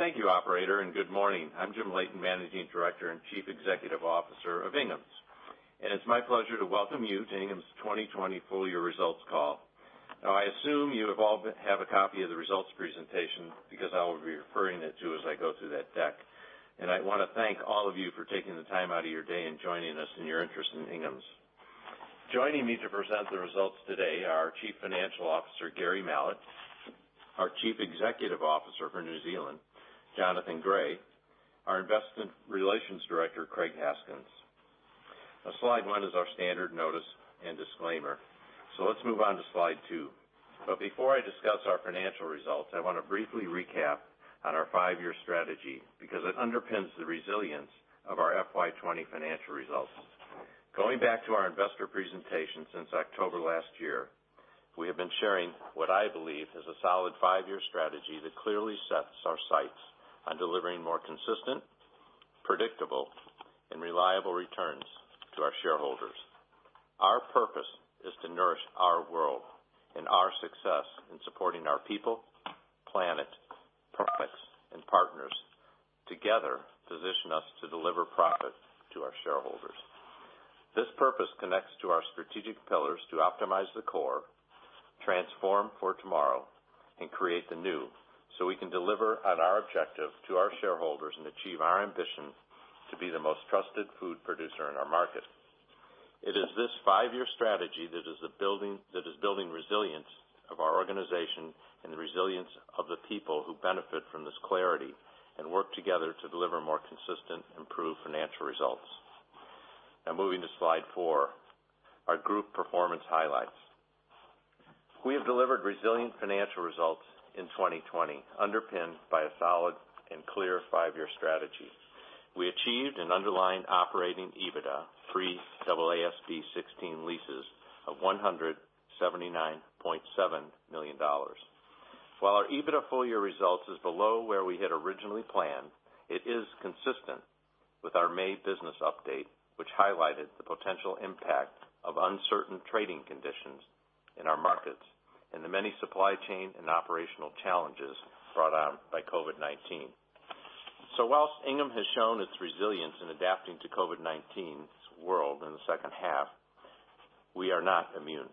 Thank you operator, good morning. I'm Jim Leighton, Managing Director and Chief Executive Officer of Inghams. It's my pleasure to welcome you to Inghams' 2020 full year results call. I assume you all have a copy of the results presentation because I will be referring it to as I go through that deck. I want to thank all of you for taking the time out of your day and joining us in your interest in Inghams. Joining me to present the results today are Chief Financial Officer, Gary Mallett, our Chief Executive Officer for New Zealand, Jonathan Gray, our Investor Relations Director, Craig Haskins. Slide one is our standard notice and disclaimer. Let's move on to Slide two. Before I discuss our financial results, I want to briefly recap on our five-year strategy because it underpins the resilience of our FY 2020 financial results. Going back to our investor presentation since October last year, we have been sharing what I believe is a solid five-year strategy that clearly sets our sights on delivering more consistent, predictable, and reliable returns to our shareholders. Our purpose is to nourish our world and our success in supporting our people, planet, profits, and partners. Together, position us to deliver profit to our shareholders. This purpose connects to our strategic pillars to optimize the core, transform for tomorrow, and create the new so we can deliver on our objective to our shareholders and achieve our ambition to be the most trusted food producer in our market. It is this five-year strategy that is building resilience of our organization and the resilience of the people who benefit from this clarity and work together to deliver more consistent, improved financial results. Moving to Slide four, our group performance highlights. We have delivered resilient financial results in 2020, underpinned by a solid and clear five-year strategy. We achieved an underlying operating EBITDA pre-AASB 16 leases of 179.7 million dollars. While our EBITDA full year results is below where we had originally planned, it is consistent with our May business update, which highlighted the potential impact of uncertain trading conditions in our markets and the many supply chain and operational challenges brought on by COVID-19. Whilst Inghams has shown its resilience in adapting to COVID-19's world in the second half, we are not immune.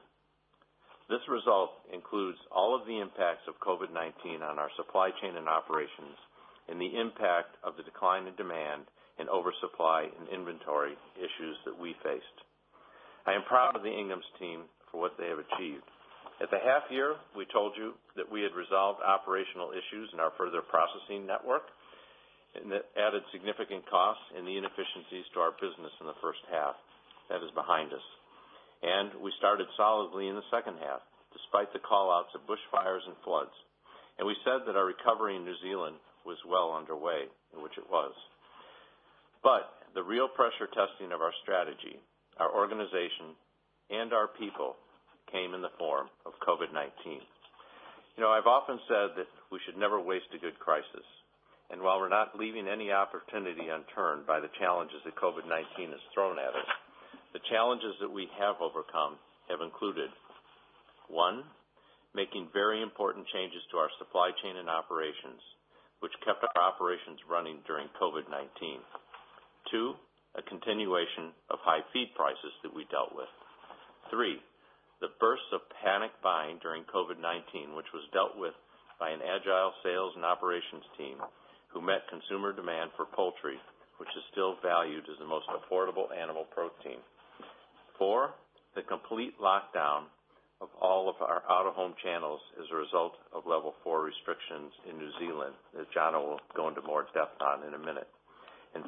This result includes all of the impacts of COVID-19 on our supply chain and operations and the impact of the decline in demand and oversupply and inventory issues that we faced. I am proud of the Inghams team for what they have achieved. At the half year, we told you that we had resolved operational issues in our further processing network, and that added significant costs and the inefficiencies to our business in the first half. That is behind us. We started solidly in the second half despite the call-outs of bushfires and floods. We said that our recovery in New Zealand was well underway, in which it was. The real pressure testing of our strategy, our organization, and our people came in the form of COVID-19. I've often said that we should never waste a good crisis, and while we're not leaving any opportunity unturned by the challenges that COVID-19 has thrown at us, the challenges that we have overcome have included, one, making very important changes to our supply chain and operations, which kept our operations running during COVID-19. Two, a continuation of high feed prices that we dealt with. Three, the bursts of panic buying during COVID-19, which was dealt with by an agile sales and operations team who met consumer demand for poultry, which is still valued as the most affordable animal protein. Four, the complete lockdown of all of our out-of-home channels as a result of Level 4 restrictions in New Zealand, as Jono will go into more depth on in a minute.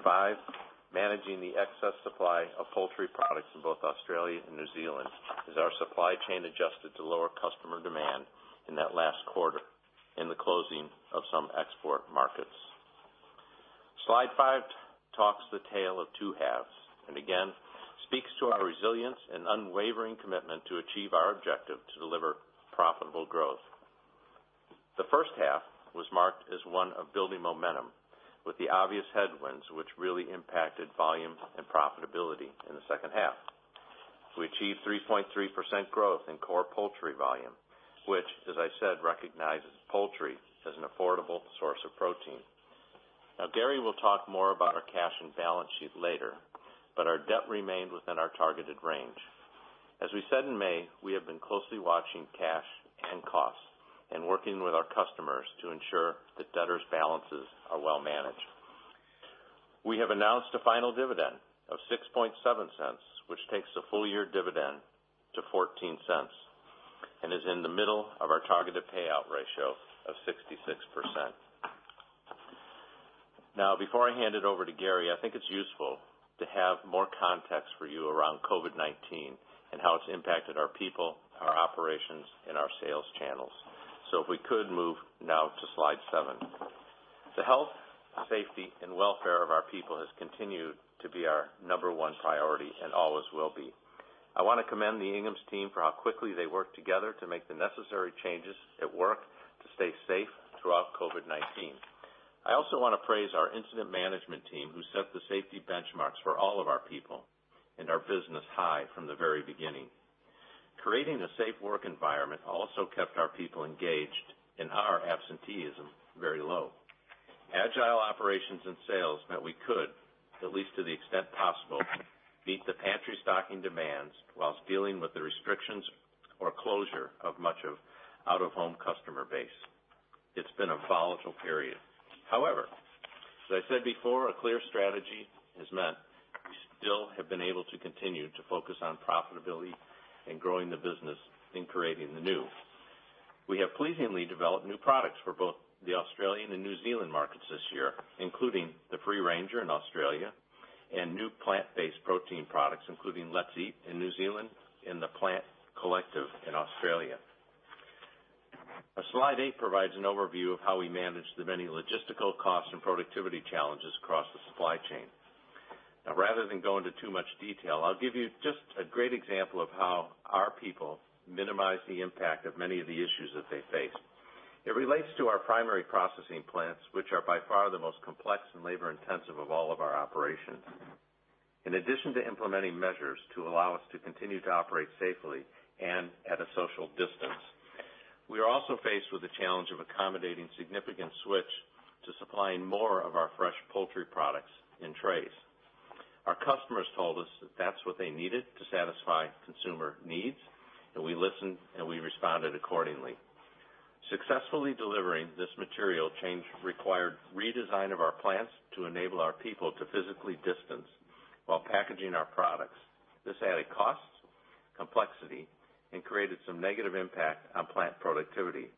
Five, managing the excess supply of poultry products in both Australia and New Zealand as our supply chain adjusted to lower customer demand in that last quarter in the closing of some export markets. Slide five talks the tale of two halves. Again, speaks to our resilience and unwavering commitment to achieve our objective to deliver profitable growth. The first half was marked as one of building momentum with the obvious headwinds, which really impacted volume and profitability in the second half. We achieved 3.3% growth in core poultry volume, which, as I said, recognizes poultry as an affordable source of protein. Gary will talk more about our cash and balance sheet later. Our debt remained within our targeted range. As we said in May, we have been closely watching cash and costs and working with our customers to ensure that debtors' balances are well managed. We have announced a final dividend of 0.067, which takes the full year dividend to 0.14 and is in the middle of our targeted payout ratio of 66%. Before I hand it over to Gary, I think it's useful to have more context for you around COVID-19 and how it's impacted our people, our operations, and our sales channels. If we could move now to Slide seven. The health, safety, and welfare of our people has continued to be our number one priority and always will be. I want to commend the Inghams team for how quickly they worked together to make the necessary changes at work to stay safe throughout COVID-19. I also want to praise our incident management team who set the safety benchmarks for all of our people and our business high from the very beginning. Creating a safe work environment also kept our people engaged and our absenteeism very low. Agile operations and sales meant we could, at least to the extent possible, meet the pantry stocking demands whilst dealing with the restrictions or closure of much of out-of-home customer base. It's been a volatile period. As I said before, a clear strategy has meant we still have been able to continue to focus on profitability and growing the business in creating the new. We have pleasingly developed new products for both the Australian and New Zealand markets this year, including The Free Ranger in Australia, and new plant-based protein products, including Let's Eat in New Zealand, and the Plant Collective in Australia. Slide eight provides an overview of how we manage the many logistical costs and productivity challenges across the supply chain. Now, rather than go into too much detail, I'll give you just a great example of how our people minimize the impact of many of the issues that they face. It relates to our primary processing plants, which are by far the most complex and labor-intensive of all of our operations. In addition to implementing measures to allow us to continue to operate safely and at a social distance, we are also faced with the challenge of accommodating significant switch to supplying more of our fresh poultry products in trays. Our customers told us that that's what they needed to satisfy consumer needs, and we listened, and we responded accordingly. Successfully delivering this material change required redesign of our plants to enable our people to physically distance while packaging our products. This added costs, complexity, and created some negative impact on plant productivity,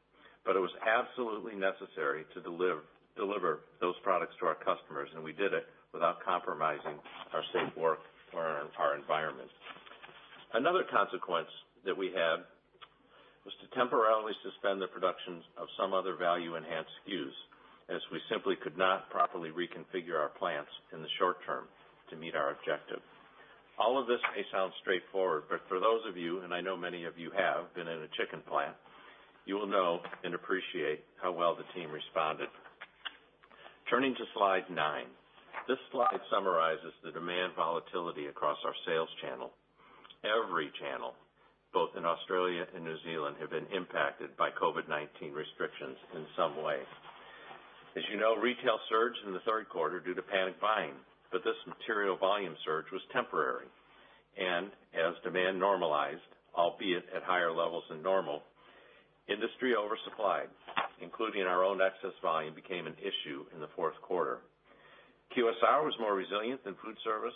but it was absolutely necessary to deliver those products to our customers, and we did it without compromising our safe work or our environment. Another consequence that we had was to temporarily suspend the productions of some other value-enhanced SKUs, as we simply could not properly reconfigure our plants in the short term to meet our objective. All of this may sound straightforward, but for those of you, and I know many of you have been in a chicken plant, you will know and appreciate how well the team responded. Turning to slide nine. This slide summarizes the demand volatility across our sales channel. Every channel, both in Australia and New Zealand, have been impacted by COVID-19 restrictions in some way. As you know, retail surged in the third quarter due to panic buying. This material volume surge was temporary. As demand normalized, albeit at higher levels than normal, industry oversupply, including our own excess volume, became an issue in the fourth quarter. QSR was more resilient than food service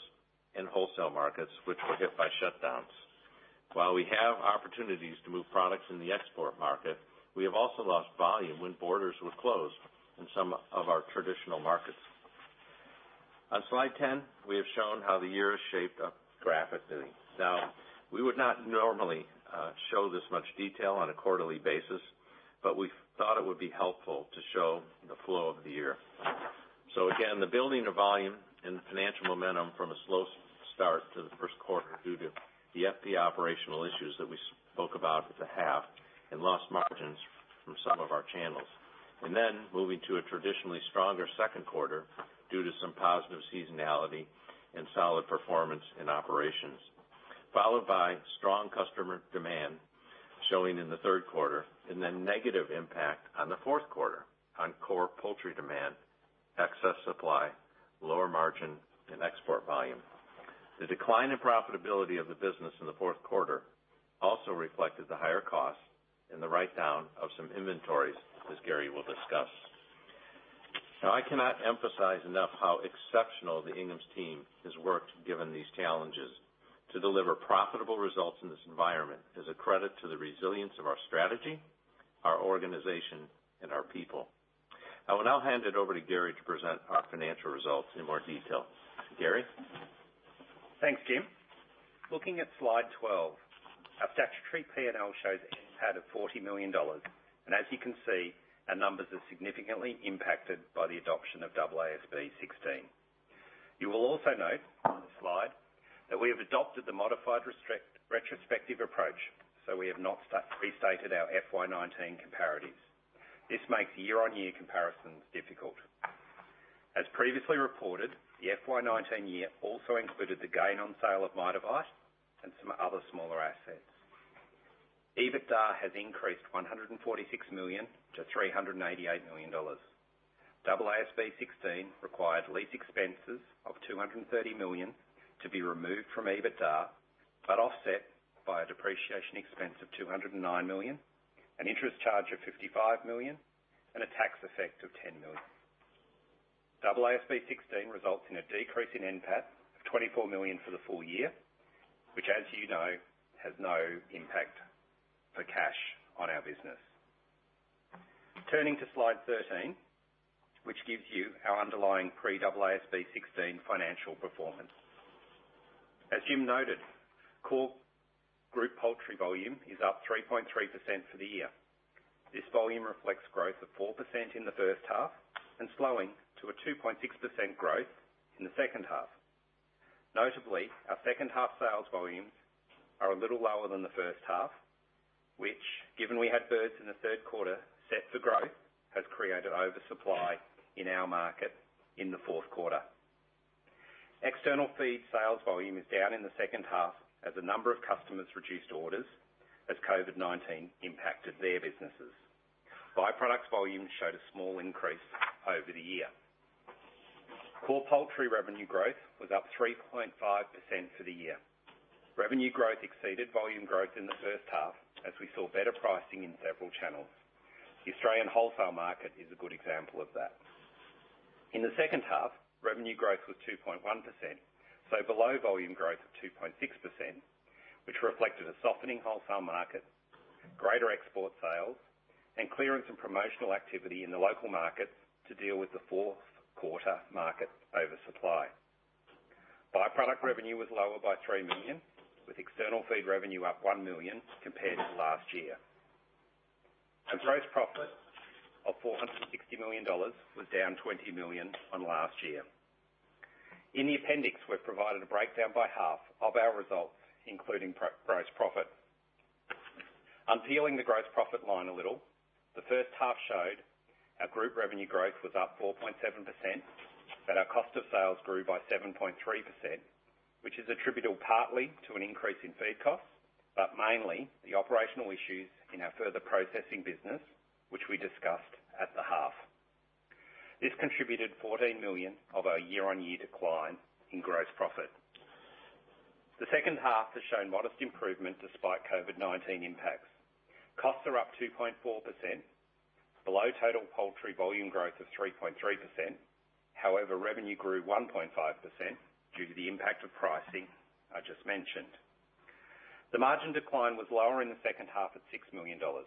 and wholesale markets, which were hit by shutdowns. While we have opportunities to move products in the export market, we have also lost volume when borders were closed in some of our traditional markets. On slide 10, we have shown how the year has shaped up graphically. Now, we would not normally show this much detail on a quarterly basis, but we thought it would be helpful to show the flow of the year. Again, the building of volume and financial momentum from a slow start to the first quarter due to the FP operational issues that we spoke about at the half, and lost margins from some of our channels. Moving to a traditionally stronger second quarter due to some positive seasonality and solid performance in operations. Followed by strong customer demand showing in the third quarter, and then negative impact on the fourth quarter on core poultry demand, excess supply, lower margin, and export volume. The decline in profitability of the business in the fourth quarter also reflected the higher cost and the write-down of some inventories, as Gary will discuss. I cannot emphasize enough how exceptional the Inghams team has worked given these challenges. To deliver profitable results in this environment is a credit to the resilience of our strategy, our organization, and our people. I will now hand it over to Gary to present our financial results in more detail. Gary? Thanks, Jim. Looking at slide 12, our statutory P&L shows NPAT of 40 million dollars. As you can see, our numbers are significantly impacted by the adoption of AASB 16. You will also note on the slide that we have adopted the modified retrospective approach, so we have not restated our FY 2019 comparatives. This makes year-on-year comparisons difficult. As previously reported, the FY 2019 year also included the gain on sale of Mitavite and some other smaller assets. EBITDA has increased 146 million to 388 million dollars. AASB 16 required lease expenses of 230 million to be removed from EBITDA, but offset by a depreciation expense of 209 million, an interest charge of 55 million, and a tax effect of 10 million. AASB 16 results in a decrease in NPAT of 24 million for the full year, which as you know, has no impact for cash on our business. Turning to slide 13, which gives you our underlying pre-AASB 16 financial performance. As Jim noted, core group poultry volume is up 3.3% for the year. This volume reflects growth of 4% in the first half and slowing to a 2.6% growth in the second half. Notably, our second half sales volumes are a little lower than the first half, which, given we had birds in the third quarter set for growth, has created oversupply in our market in the fourth quarter. External feed sales volume is down in the second half as a number of customers reduced orders as COVID-19 impacted their businesses. By-products volume showed a small increase over the year. Core poultry revenue growth was up 3.5% for the year. Revenue growth exceeded volume growth in the first half as we saw better pricing in several channels. The Australian wholesale market is a good example of that. In the second half, revenue growth was 2.1%, so below volume growth of 2.6%, which reflected a softening wholesale market, greater export sales, and clearance and promotional activity in the local market to deal with the fourth quarter market oversupply. By-product revenue was lower by 3 million, with external feed revenue up 1 million compared to last year. A gross profit of 460 million dollars was down 20 million on last year. In the appendix, we've provided a breakdown by half of our results, including gross profit. Unpeeling the gross profit line a little, the first half showed our group revenue growth was up 4.7%, but our cost of sales grew by 7.3%, which is attributable partly to an increase in feed costs, but mainly the operational issues in our further processing business, which we discussed at the half. This contributed 14 million of our year-on-year decline in gross profit. The second half has shown modest improvement despite COVID-19 impacts. Costs are up 2.4%, below total poultry volume growth of 3.3%. Revenue grew 1.5% due to the impact of pricing I just mentioned. The margin decline was lower in the second half at 6 million dollars.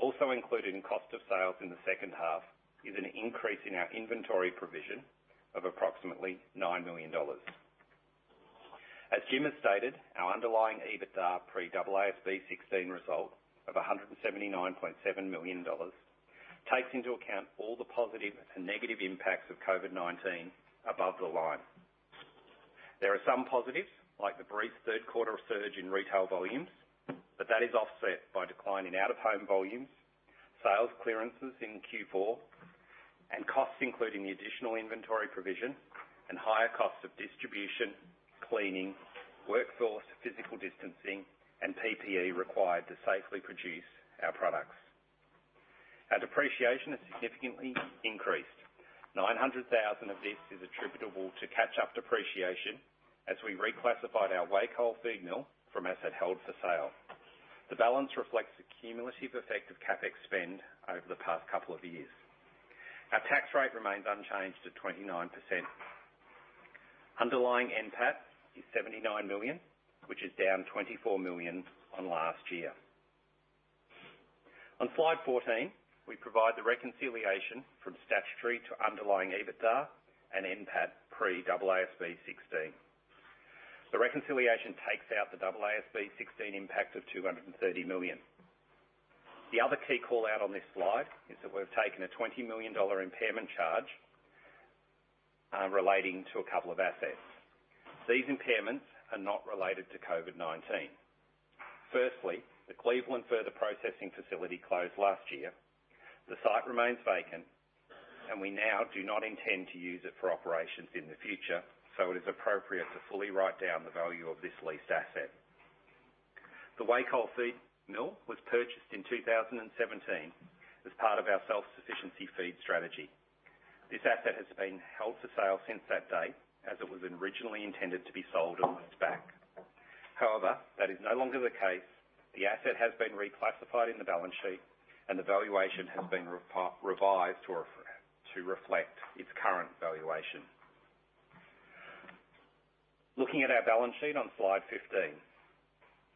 Included in cost of sales in the second half is an increase in our inventory provision of approximately 9 million dollars. As Jim has stated, our underlying EBITDA pre-AASB 16 result of AUD 179.7 million takes into account all the positive and negative impacts of COVID-19 above the line. There are some positives, like the brief third quarter surge in retail volumes, that is offset by decline in out-of-home volumes, sales clearances in Q4, and costs including the additional inventory provision and higher costs of distribution, cleaning, workforce, physical distancing, and PPE required to safely produce our products. Our depreciation has significantly increased. 900,000 of this is attributable to catch-up depreciation as we reclassified our Wacol feed mill from asset held for sale. The balance reflects the cumulative effect of CapEx spend over the past couple of years. Our tax rate remains unchanged at 29%. Underlying NPAT is 79 million, which is down 24 million on last year. On slide 14, we provide the reconciliation from statutory to underlying EBITDA and NPAT pre-AASB 16. The reconciliation takes out the AASB 16 impact of 230 million. The other key call-out on this slide is that we've taken an 20 million dollar impairment charge relating to a couple of assets. These impairments are not related to COVID-19. Firstly, the Cleveland further processing facility closed last year. The site remains vacant, and we now do not intend to use it for operations in the future, so it is appropriate to fully write down the value of this leased asset. The Wacol feed mill was purchased in 2017 as part of our self-sufficiency feed strategy. This asset has been held for sale since that date, as it was originally intended to be sold or leased back. However, that is no longer the case. The asset has been reclassified in the balance sheet, and the valuation has been revised to reflect its current valuation. Looking at our balance sheet on Slide 15.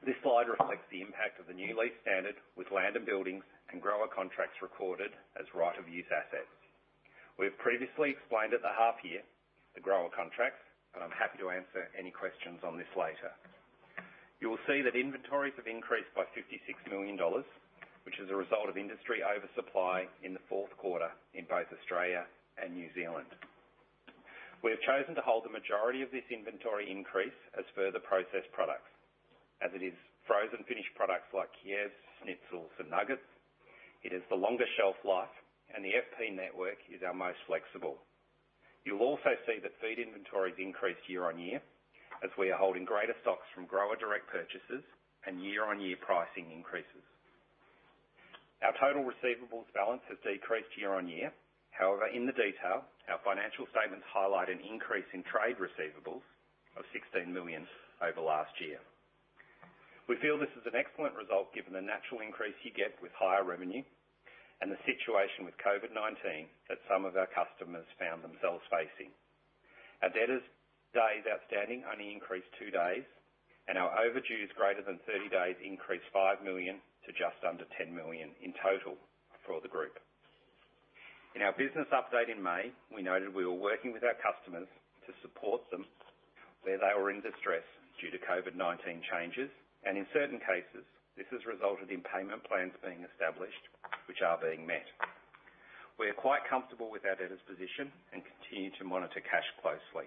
This slide reflects the impact of the new lease standard with land and buildings and grower contracts recorded as right-of-use assets. We've previously explained at the half year the grower contracts, and I'm happy to answer any questions on this later. You will see that inventories have increased by 56 million dollars, which is a result of industry oversupply in the fourth quarter in both Australia and New Zealand. We have chosen to hold the majority of this inventory increase as further processed products. As it is frozen finished products like Chicken Kievs, schnitzels, and nuggets, it has the longer shelf life and the FP network is our most flexible. You'll also see that feed inventories increased year-on-year as we are holding greater stocks from grower direct purchases and year-on-year pricing increases. Our total receivables balance has decreased year-on-year. However, in the detail, our financial statements highlight an increase in trade receivables of 16 million over last year. We feel this is an excellent result given the natural increase you get with higher revenue and the situation with COVID-19 that some of our customers found themselves facing. Our debtors days outstanding only increased two days, and our overdues greater than 30 days increased 5 million to just under 10 million in total for the group. In our business update in May, we noted we were working with our customers to support them where they were in distress due to COVID-19 changes, and in certain cases, this has resulted in payment plans being established which are being met. We are quite comfortable with our debtors position and continue to monitor cash closely.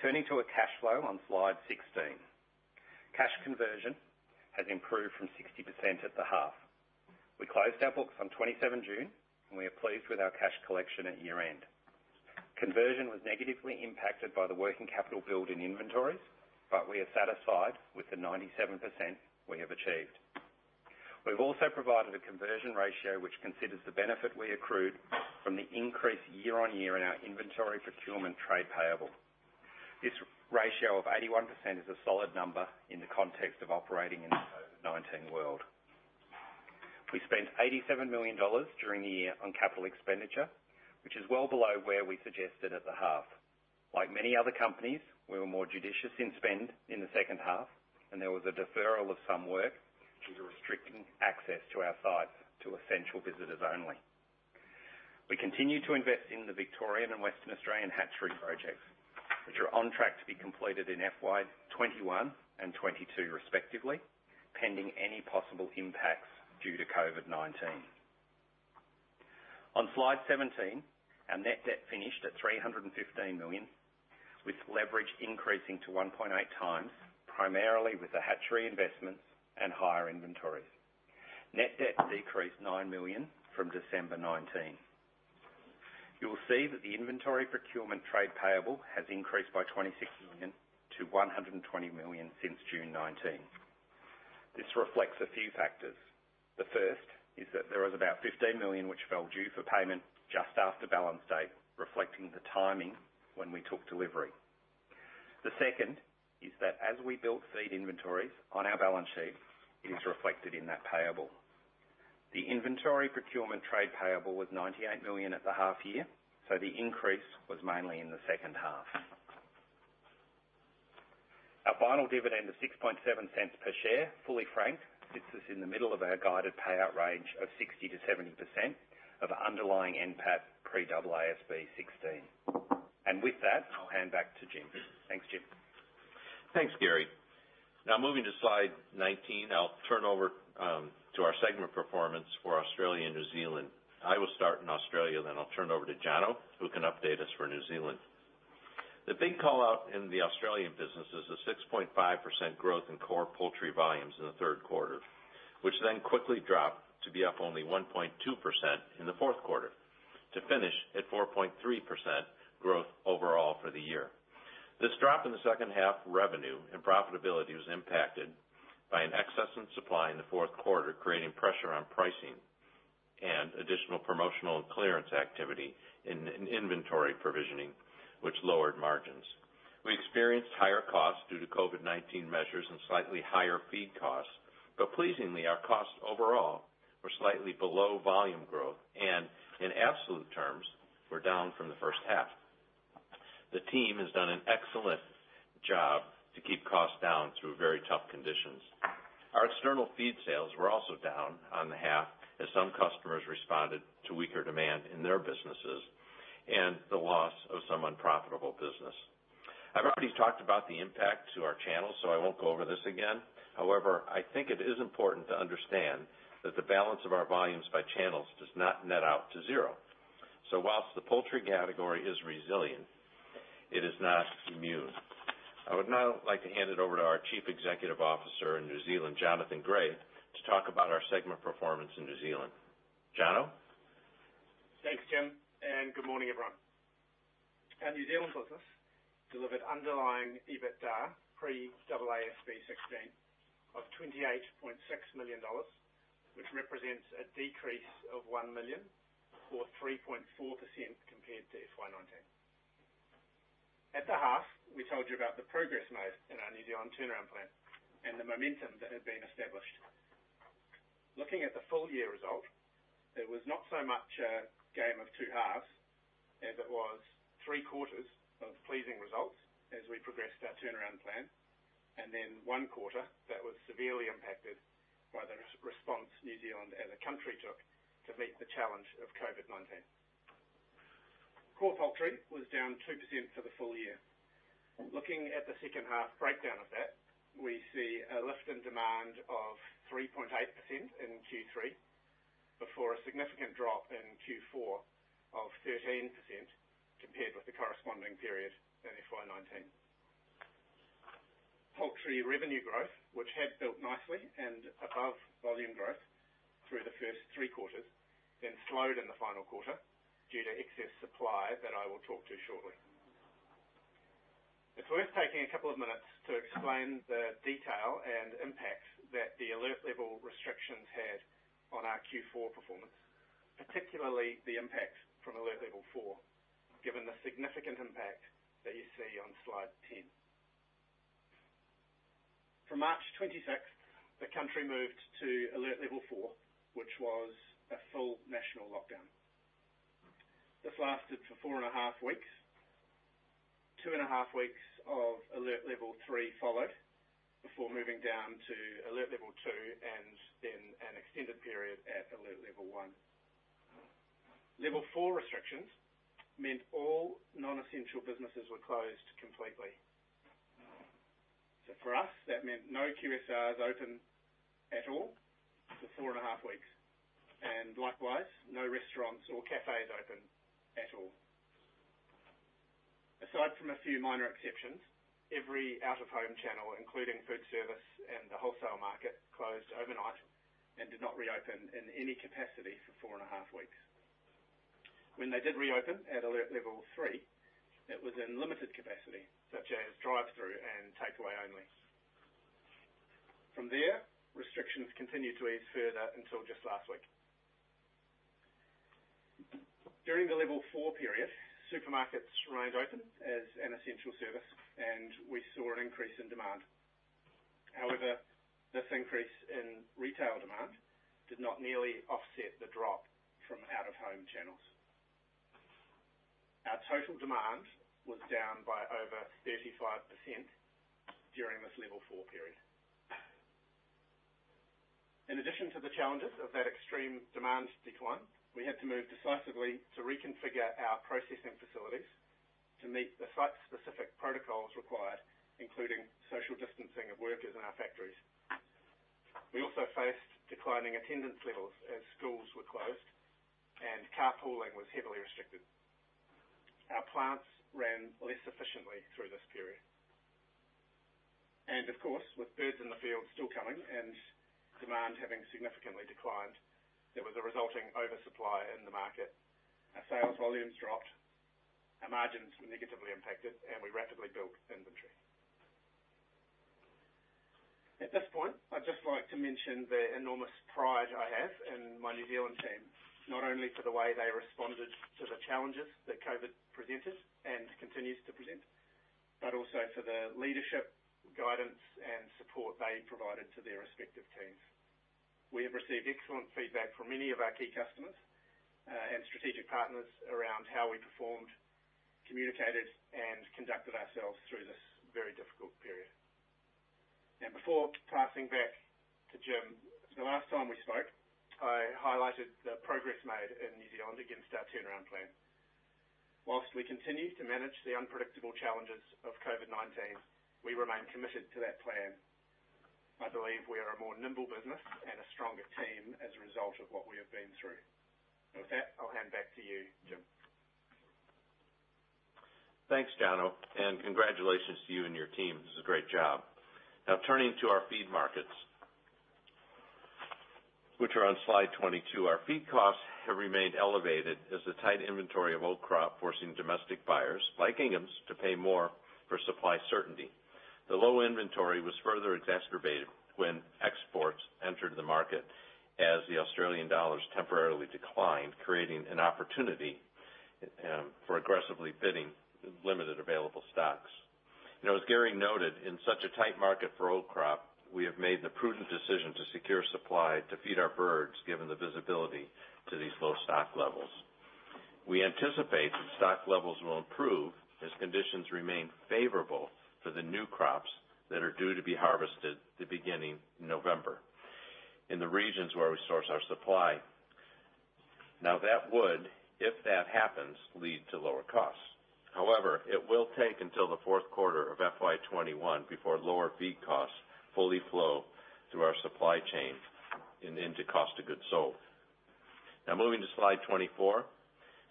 Turning to our cash flow on Slide 16. Cash conversion has improved from 60% at the half. We closed our books on 27 June, and we are pleased with our cash collection at year-end. Conversion was negatively impacted by the working capital build in inventories, but we are satisfied with the 97% we have achieved. We've also provided a conversion ratio which considers the benefit we accrued from the increase year on year in our inventory procurement trade payable. This ratio of 81% is a solid number in the context of operating in a COVID-19 world. We spent 87 million dollars during the year on capital expenditure, which is well below where we suggested at the half. Like many other companies, we were more judicious in spend in the second half, and there was a deferral of some work due to restricting access to our sites to essential visitors only. We continue to invest in the Victorian and Western Australian hatchery projects, which are on track to be completed in FY 2021 and 2022 respectively, pending any possible impacts due to COVID-19. On Slide 17, our net debt finished at 315 million, with leverage increasing to 1.8x, primarily with the hatchery investments and higher inventories. Net debt decreased 9 million from December 2019. You will see that the inventory procurement trade payable has increased by 26 million to 120 million since June 2019. This reflects a few factors. The first is that there was about 15 million which fell due for payment just after balance date, reflecting the timing when we took delivery. The second is that as we built feed inventories on our balance sheet, it is reflected in that payable. The inventory procurement trade payable was 98 million at the half year, so the increase was mainly in the second half. Our final dividend of 0.067 per share, fully franked, sits us in the middle of our guided payout range of 60%-70% of underlying NPAT pre-AASB 16. With that, I'll hand back to Jim. Thanks, Jim. Moving to Slide 19, I'll turn over to our segment performance for Australia and New Zealand. I will start in Australia, I'll turn it over to Jono, who can update us for New Zealand. The big call-out in the Australian business is the 6.5% growth in core poultry volumes in the third quarter, which quickly dropped to be up only 1.2% in the fourth quarter to finish at 4.3% growth overall for the year. This drop in the second half revenue and profitability was impacted by an excess in supply in the fourth quarter, creating pressure on pricing and additional promotional and clearance activity in inventory provisioning, which lowered margins. We experienced higher costs due to COVID-19 measures and slightly higher feed costs. Pleasingly, our costs overall were slightly below volume growth and in absolute terms, were down from the first half. The team has done an excellent job to keep costs down through very tough conditions. Our external feed sales were also down on the half as some customers responded to weaker demand in their businesses and the loss of some unprofitable business. I've already talked about the impact to our channels, so I won't go over this again. However, I think it is important to understand that the balance of our volumes by channels does not net out to zero. Whilst the poultry category is resilient, it is not immune. I would now like to hand it over to our Chief Executive Officer in New Zealand, Jonathan Gray, to talk about our segment performance in New Zealand. Jono? Thanks, Jim, and good morning, everyone. Our New Zealand business delivered underlying EBITDA pre-AASB 16 of 28.6 million dollars, which represents a decrease of 1 million or 3.4% compared to FY 2019. At the half, we told you about the progress made in our New Zealand turnaround plan and the momentum that had been established. Looking at the full year result, it was not so much a game of two halves as it was three quarters of pleasing results as we progressed our turnaround plan, and then one quarter that was severely impacted by the response New Zealand as a country took to meet the challenge of COVID-19. Core poultry was down 2% for the full year. Looking at the second half breakdown of that, we see a lift in demand of 3.8% in Q3 before a significant drop in Q4 of 13% compared with the corresponding period in FY 2019.Poultry revenue growth, which had built nicely and above volume growth through the first three quarters, then slowed in the final quarter due to excess supply that I will talk to shortly. It's worth taking a couple of minutes to explain the detail and impact that the Alert Level restrictions had on our Q4 performance, particularly the impact from Alert Level 4, given the significant impact that you see on Slide 10. From March 26th, the country moved to Alert Level 4, which was a full national lockdown. This lasted for four and a half weeks. Two and a half weeks of Alert Level 3 followed before moving down to Alert Level 2 and then an extended period at Alert Level 1. Alert Level 4 restrictions meant all non-essential businesses were closed completely. For us, that meant no QSRs open at all for four and a half weeks. Likewise, no restaurants or cafes open at all. Aside from a few minor exceptions, every out-of-home channel, including food service and the wholesale market, closed overnight and did not reopen in any capacity for four and a half weeks. When they did reopen at Alert Level 3, it was in limited capacity, such as drive-through and takeaway only. From there, restrictions continued to ease further until just last week. During the Alert Level 4 period, supermarkets remained open as an essential service, and we saw an increase in demand. However, this increase in retail demand did not nearly offset the drop from out-of-home channels. Our total demand was down by over 35% during this Alert Level 4 period. In addition to the challenges of that extreme demand decline, we had to move decisively to reconfigure our processing facilities to meet the site-specific protocols required, including social distancing of workers in our factories. We also faced declining attendance levels as schools were closed and carpooling was heavily restricted. Our plants ran less efficiently through this period. Of course, with birds in the field still coming and demand having significantly declined, there was a resulting oversupply in the market. Our sales volumes dropped, our margins were negatively impacted, and we rapidly built inventory. At this point, I'd just like to mention the enormous pride I have in my New Zealand team, not only for the way they responded to the challenges that COVID presented and continues to present, but also for the leadership, guidance, and support they provided to their respective teams. We have received excellent feedback from many of our key customers, and strategic partners around how we performed, communicated, and conducted ourselves through this very difficult period. Now, before passing back to Jim, the last time we spoke, I highlighted the progress made in New Zealand against our turnaround plan. While we continue to manage the unpredictable challenges of COVID-19, we remain committed to that plan. I believe we are a more nimble business and a stronger team as a result of what we have been through. With that, I'll hand back to you, Jim. Thanks, Jono, congratulations to you and your team. This is a great job. Turning to our feed markets, which are on slide 22. Our feed costs have remained elevated as the tight inventory of old crop forcing domestic buyers like Inghams to pay more for supply certainty. The low inventory was further exacerbated when exports entered the market as the Australian dollars temporarily declined, creating an opportunity for aggressively bidding limited available stocks. As Gary noted, in such a tight market for old crop, we have made the prudent decision to secure supply to feed our birds, given the visibility to these low stock levels. We anticipate that stock levels will improve as conditions remain favorable for the new crops that are due to be harvested the beginning November in the regions where we source our supply. That would, if that happens, lead to lower costs. It will take until the fourth quarter of FY 2021 before lower feed costs fully flow through our supply chain and into cost of goods sold. Moving to slide 24.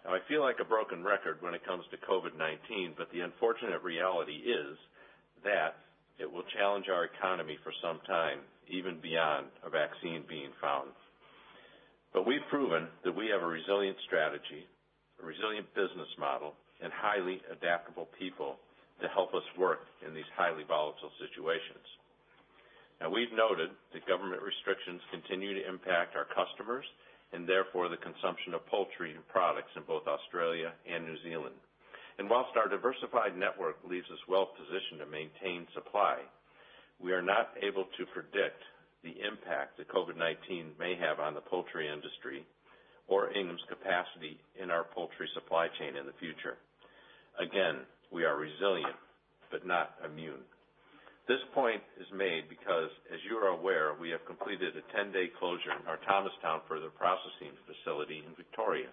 I feel like a broken record when it comes to COVID-19, the unfortunate reality is that it will challenge our economy for some time, even beyond a vaccine being found. We've proven that we have a resilient strategy, a resilient business model, and highly adaptable people to help us work in these highly volatile situations. We've noted that government restrictions continue to impact our customers and therefore the consumption of poultry and products in both Australia and New Zealand. Whilst our diversified network leaves us well-positioned to maintain supply, we are not able to predict the impact that COVID-19 may have on the poultry industry or Inghams' capacity in our poultry supply chain in the future. Again, we are resilient but not immune. This point is made because, as you are aware, we have completed a 10-day closure in our Thomastown further processing facility in Victoria.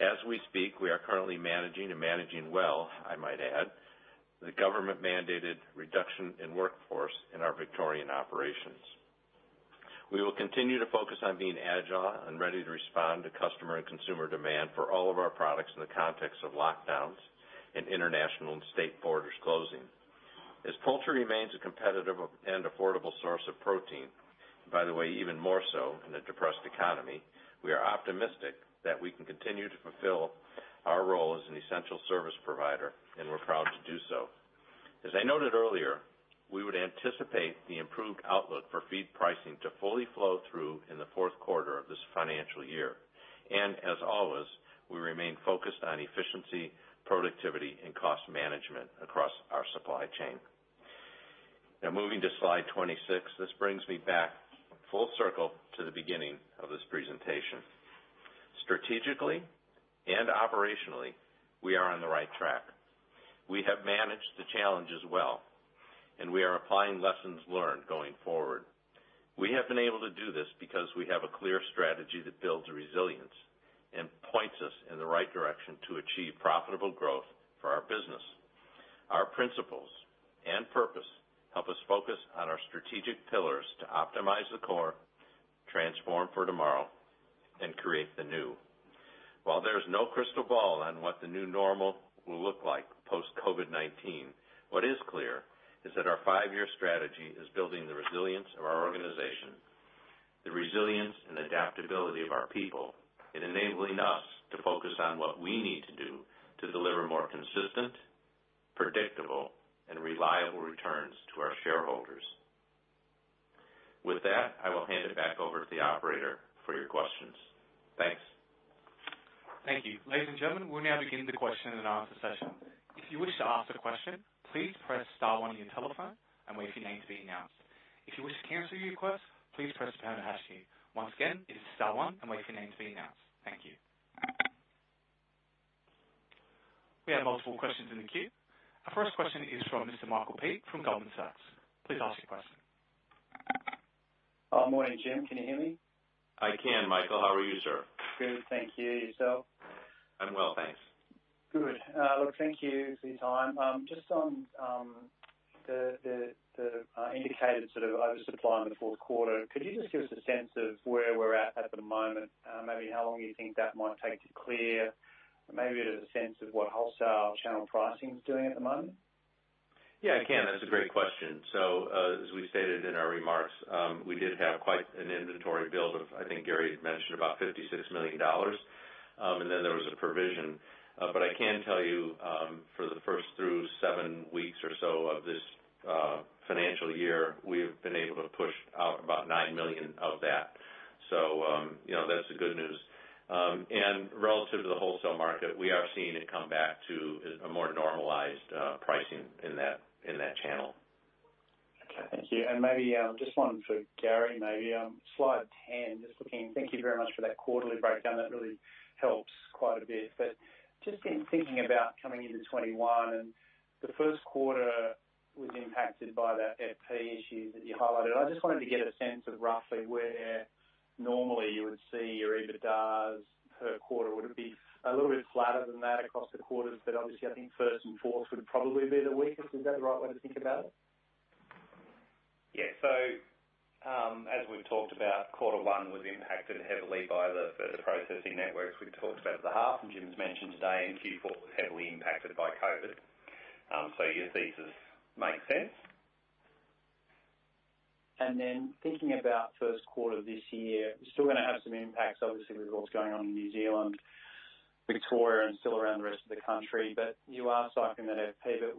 As we speak, we are currently managing and managing well, I might add, the government-mandated reduction in workforce in our Victorian operations. We will continue to focus on being agile and ready to respond to customer and consumer demand for all of our products in the context of lockdowns and international and state borders closing. As poultry remains a competitive and affordable source of protein, by the way, even more so in a depressed economy, we are optimistic that we can continue to fulfill our role as an essential service provider, and we're proud to do so. As I noted earlier, we would anticipate the improved outlook for feed pricing to fully flow through in the fourth quarter of this financial year. As always, we remain focused on efficiency, productivity, and cost management across our supply chain. Now moving to slide 26. This brings me back full circle to the beginning of this presentation. Strategically and operationally, we are on the right track. We have managed the challenges well. We are applying lessons learned going forward. We have been able to do this because we have a clear strategy that builds resilience and points us in the right direction to achieve profitable growth for our business. Our principles and purpose help us focus on our strategic pillars to optimize the core, transform for tomorrow, and create the new. While there's no crystal ball on what the new normal will look like post-COVID-19, what is clear is that our five-year strategy is building the resilience of our organization, the resilience and adaptability of our people, and enabling us to focus on what we need to do to deliver more consistent, predictable, and reliable returns to our shareholders. With that, I will hand it back over to the operator for your questions. Thanks. Thank you. Ladies and gentlemen, we're now beginning the question and answer session. If you wish to ask a question, please press star one on your telephone and wait for your name to be announced. If you wish to cancel your request, please press pound or hash key. Once again, it is star one and wait for your name to be announced. Thank you. We have multiple questions in the queue. Our first question is from Mr. Michael Peet from Goldman Sachs. Please ask your question. Morning, Jim. Can you hear me? I can, Michael. How are you, sir? Good, thank you. Yourself? I'm well, thanks. Good. Look, thank you for your time. Just on the indicated sort of oversupply in the fourth quarter, could you just give us a sense of where we're at at the moment? Maybe how long you think that might take to clear? Maybe a sense of what wholesale channel pricing is doing at the moment? Yeah, I can. That's a great question. As we stated in our remarks, we did have quite an inventory build of, I think Gary mentioned about 56 million dollars, and then there was a provision. I can tell you, for the first through seven weeks or so of this financial year, we've been able to push out about 9 million of that. Relative to the wholesale market, we are seeing it come back to a more normalized pricing in that channel. Okay, thank you. Maybe just one for Gary, maybe, slide 10. Thank you very much for that quarterly breakdown. That really helps quite a bit. Just in thinking about coming into 2021, the first quarter was impacted by the FP issues that you highlighted. I just wanted to get a sense of roughly where normally you would see your EBITDAs per quarter. Would it be a little bit flatter than that across the quarters? Obviously, I think first and fourth would probably be the weakest. Is that the right way to think about it? Yeah. As we've talked about, quarter one was impacted heavily by the further processing networks we've talked about at the half, and Jim's mentioned today in Q4 was heavily impacted by COVID. Your thesis makes sense. Thinking about first quarter this year, you're still going to have some impacts, obviously, with what's going on in New Zealand, Victoria, and still around the rest of the country. You are cycling that FP, but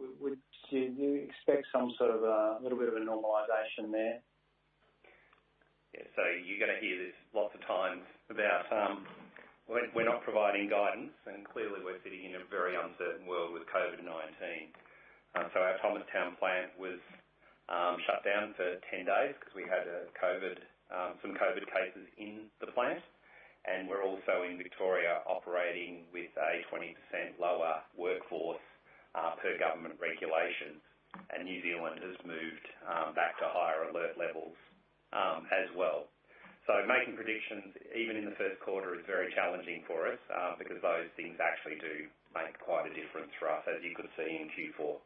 do you expect some sort of a little bit of a normalization there? Yeah. You're going to hear this lots of times about, we're not providing guidance, and clearly we're sitting in a very uncertain world with COVID-19. Our Thomastown plant was shut down for 10 days because we had some COVID cases in the plant, and we're also in Victoria operating with a 20% lower workforce per government regulations, and New Zealand has moved back to higher alert levels as well. Making predictions even in the first quarter is very challenging for us, because those things actually do make quite a difference for us, as you could see in Q4.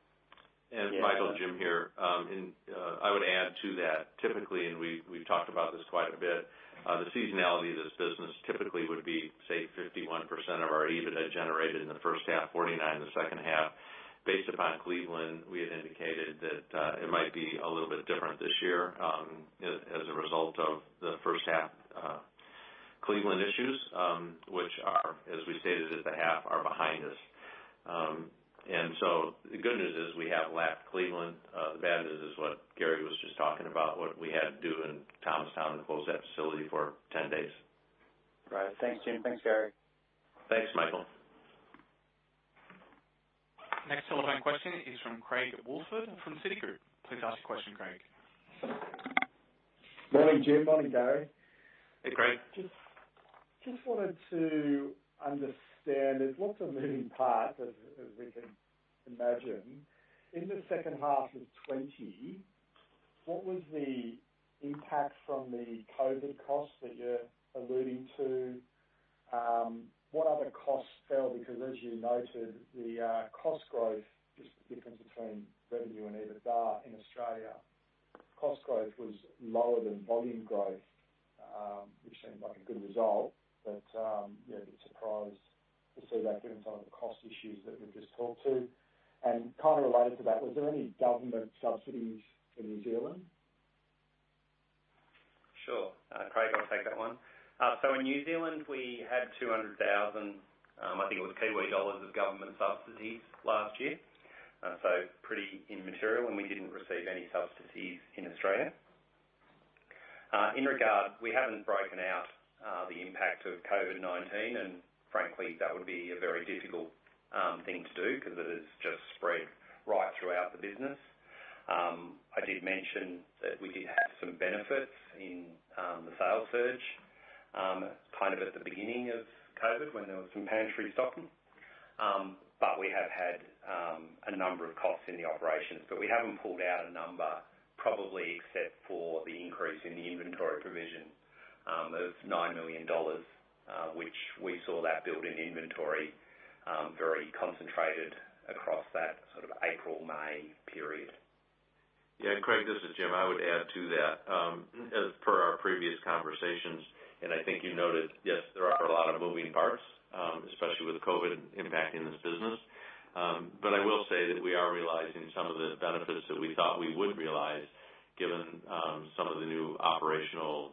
Michael, Jim here. I would add to that, typically, and we've talked about this quite a bit, the seasonality of this business typically would be, say, 51% of our EBITDA generated in the first half, 49% in the second half. Based upon Cleveland, we had indicated that it might be a little bit different this year, as a result of the first half Cleveland issues, which are, as we stated at the half, are behind us. The good news is we have lapped Cleveland. The bad news is what Gary was just talking about, what we had to do in Thomastown to close that facility for 10 days. Right. Thanks, Jim. Thanks, Gary. Thanks, Michael. Next telephone question is from Craig Woolford from Citigroup. Please ask your question, Craig. Morning, Jim. Morning, Gary. Hey, Craig. Just wanted to understand, there's lots of moving parts as we can imagine. In the second half of 2020, what was the impact from the COVID costs that you're alluding to? What other costs fell? As you noted, the cost growth, just the difference between revenue and EBITDA in Australia, cost growth was lower than volume growth, which seemed like a good result. Yeah, a bit surprised to see that given some of the cost issues that we've just talked to. Kind of related to that, was there any government subsidies in New Zealand? Sure. Craig, I'll take that one. In New Zealand, we had 200,000, I think it was, of government subsidies last year. Pretty immaterial, and we didn't receive any subsidies in Australia. In regard, we haven't broken out the impact of COVID-19, and frankly, that would be a very difficult thing to do because it has just spread right throughout the business. I did mention that we did have some benefits in the sales surge kind of at the beginning of COVID when there was some pantry stocking, but we have had a number of costs in the operations, but we haven't pulled out a number probably except for the increase in the inventory provision of 9 million dollars, which we saw that build in inventory very concentrated across that April, May period. Yeah, Craig, this is Jim. I would add to that, as per our previous conversations, and I think you noted, yes, there are a lot of moving parts, especially with COVID impacting this business. I will say that we are realizing some of the benefits that we thought we would realize given some of the new operational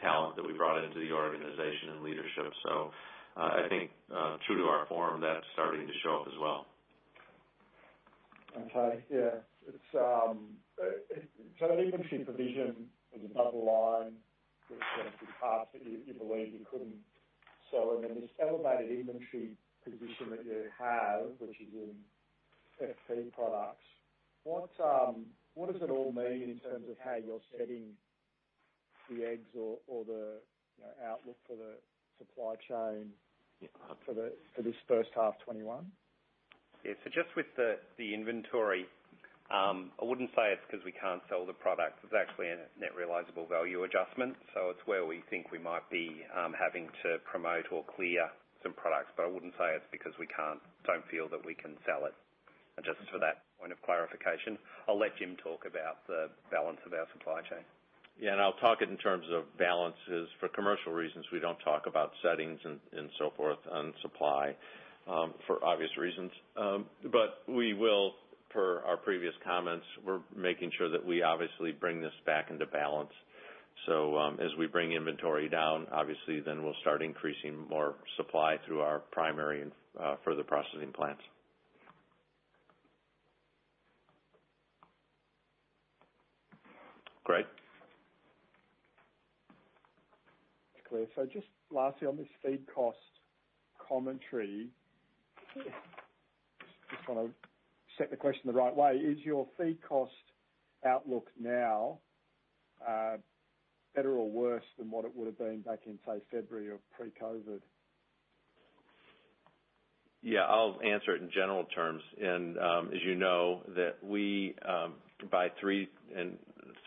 talent that we brought into the organization and leadership. I think true to our form, that's starting to show up as well. Okay. Yeah. The inventory provision is another line which in the past that you believed you couldn't sell, and then this elevated inventory position that you have, which is in FP products, what does it all mean in terms of how you're setting the eggs or the outlook for the supply chain for this first half 2021? Just with the inventory, I wouldn't say it's because we can't sell the product. It's actually a net realizable value adjustment. It's where we think we might be having to promote or clear some products. I wouldn't say it's because we don't feel that we can sell it. Just for that point of clarification, I'll let Jim talk about the balance of our supply chain. Yeah. I'll talk it in terms of balances. For commercial reasons, we don't talk about settings and so forth on supply for obvious reasons. We will, per our previous comments, we're making sure that we obviously bring this back into balance. As we bring inventory down, obviously then we'll start increasing more supply through our primary and further processing plants. Craig? That's clear. Just lastly on this feed cost commentary, just want to set the question the right way, is your feed cost outlook now better or worse than what it would've been back in, say, February of pre-COVID? Yeah, I'll answer it in general terms. As you know, that we, by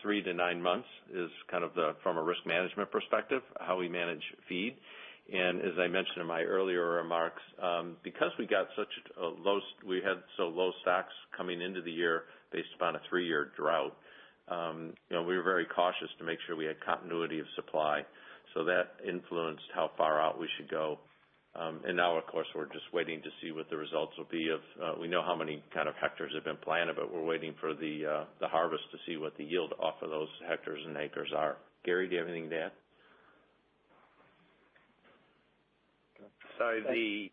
three to nine months is kind of from a risk management perspective, how we manage feed. As I mentioned in my earlier remarks, because we had so low stocks coming into the year based upon a three-year drought, we were very cautious to make sure we had continuity of supply. That influenced how far out we should go. Now, of course, we're just waiting to see what the results will be. We know how many hectares have been planted, but we're waiting for the harvest to see what the yield off of those hectares and acres are. Gary, do you have anything to add? The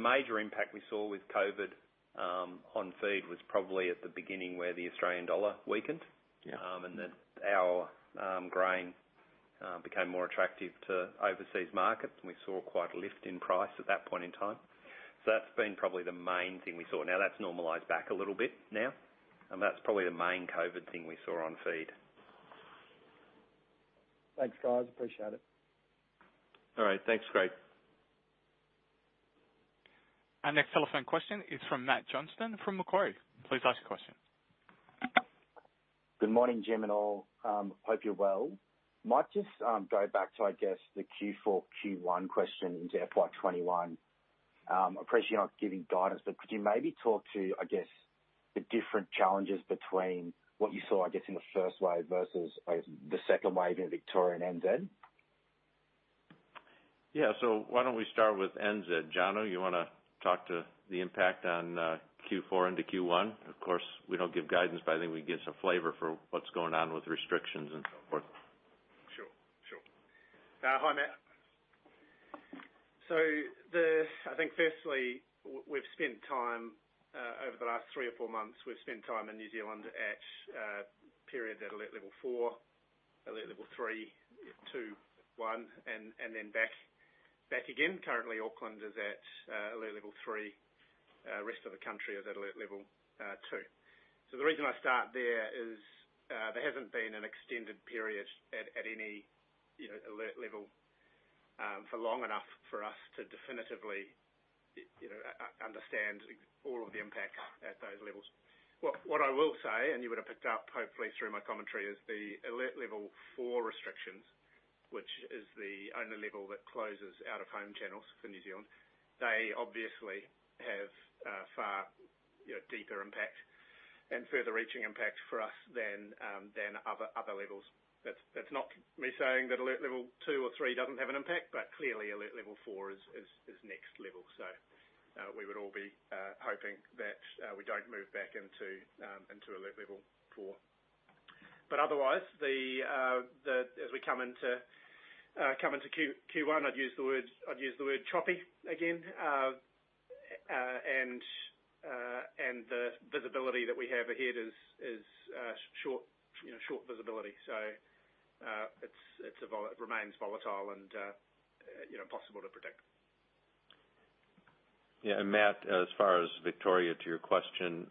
major impact we saw with COVID on feed was probably at the beginning where the Australian dollar weakened. Our grain became more attractive to overseas markets, and we saw quite a lift in price at that point in time. That's been probably the main thing we saw. Now that's normalized back a little bit now, and that's probably the main COVID thing we saw on feed. Thanks, guys. Appreciate it. All right, thanks Craig. Our next telephone question is from Matt Johnston from Macquarie. Please ask the question. Good morning, Jim, and all. Hope you're well. Might just go back to, I guess, the Q4, Q1 question into FY 2021. Appreciate you're not giving guidance. Could you maybe talk to the different challenges between what you saw in the first wave versus the second wave in Victoria and NZ? Yeah. Why don't we start with NZ? Jono, you want to talk to the impact on Q4 into Q1? Of course, we don't give guidance, but I think we can give some flavor for what's going on with restrictions and so forth. Sure. Hi, Matt. I think firstly, over the last three or four months, we've spent time in New Zealand at periods at Alert Level 4, Alert Level 3, 2, 1, and then back again. Currently, Auckland is at Alert Level 3. Rest of the country is at Alert Level 2. The reason I start there is there hasn't been an extended period at any alert level for long enough for us to definitively understand all of the impact at those levels. What I will say, and you would've picked up hopefully through my commentary, is the Alert Level 4 restrictions, which is the only level that closes out-of-home channels for New Zealand, they obviously have a far deeper impact and further reaching impact for us than other levels. That's not me saying that Alert Level 2 or 3 doesn't have an impact, but clearly Alert Level 4 is next level. We would all be hoping that we don't move back into Alert Level 4. Otherwise, as we come into Q1, I'd use the word choppy again. The visibility that we have ahead is short visibility. It remains volatile and impossible to predict. Yeah. Matt, as far as Victoria, to your question,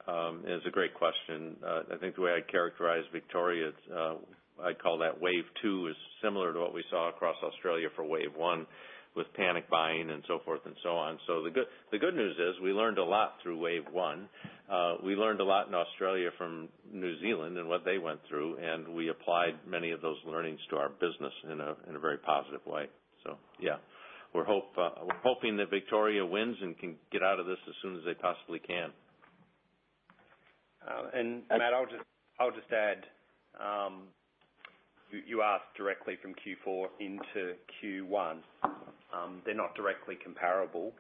it is a great question. I think the way I'd characterize Victoria, I'd call that wave two is similar to what we saw across Australia for wave one, with panic buying and so forth and so on. The good news is we learned a lot through wave one. We learned a lot in Australia from New Zealand and what they went through, and we applied many of those learnings to our business in a very positive way. Yeah. We're hoping that Victoria wins and can get out of this as soon as they possibly can. Matt, I'll just add. You asked directly from Q4 into Q1. They're not directly comparable,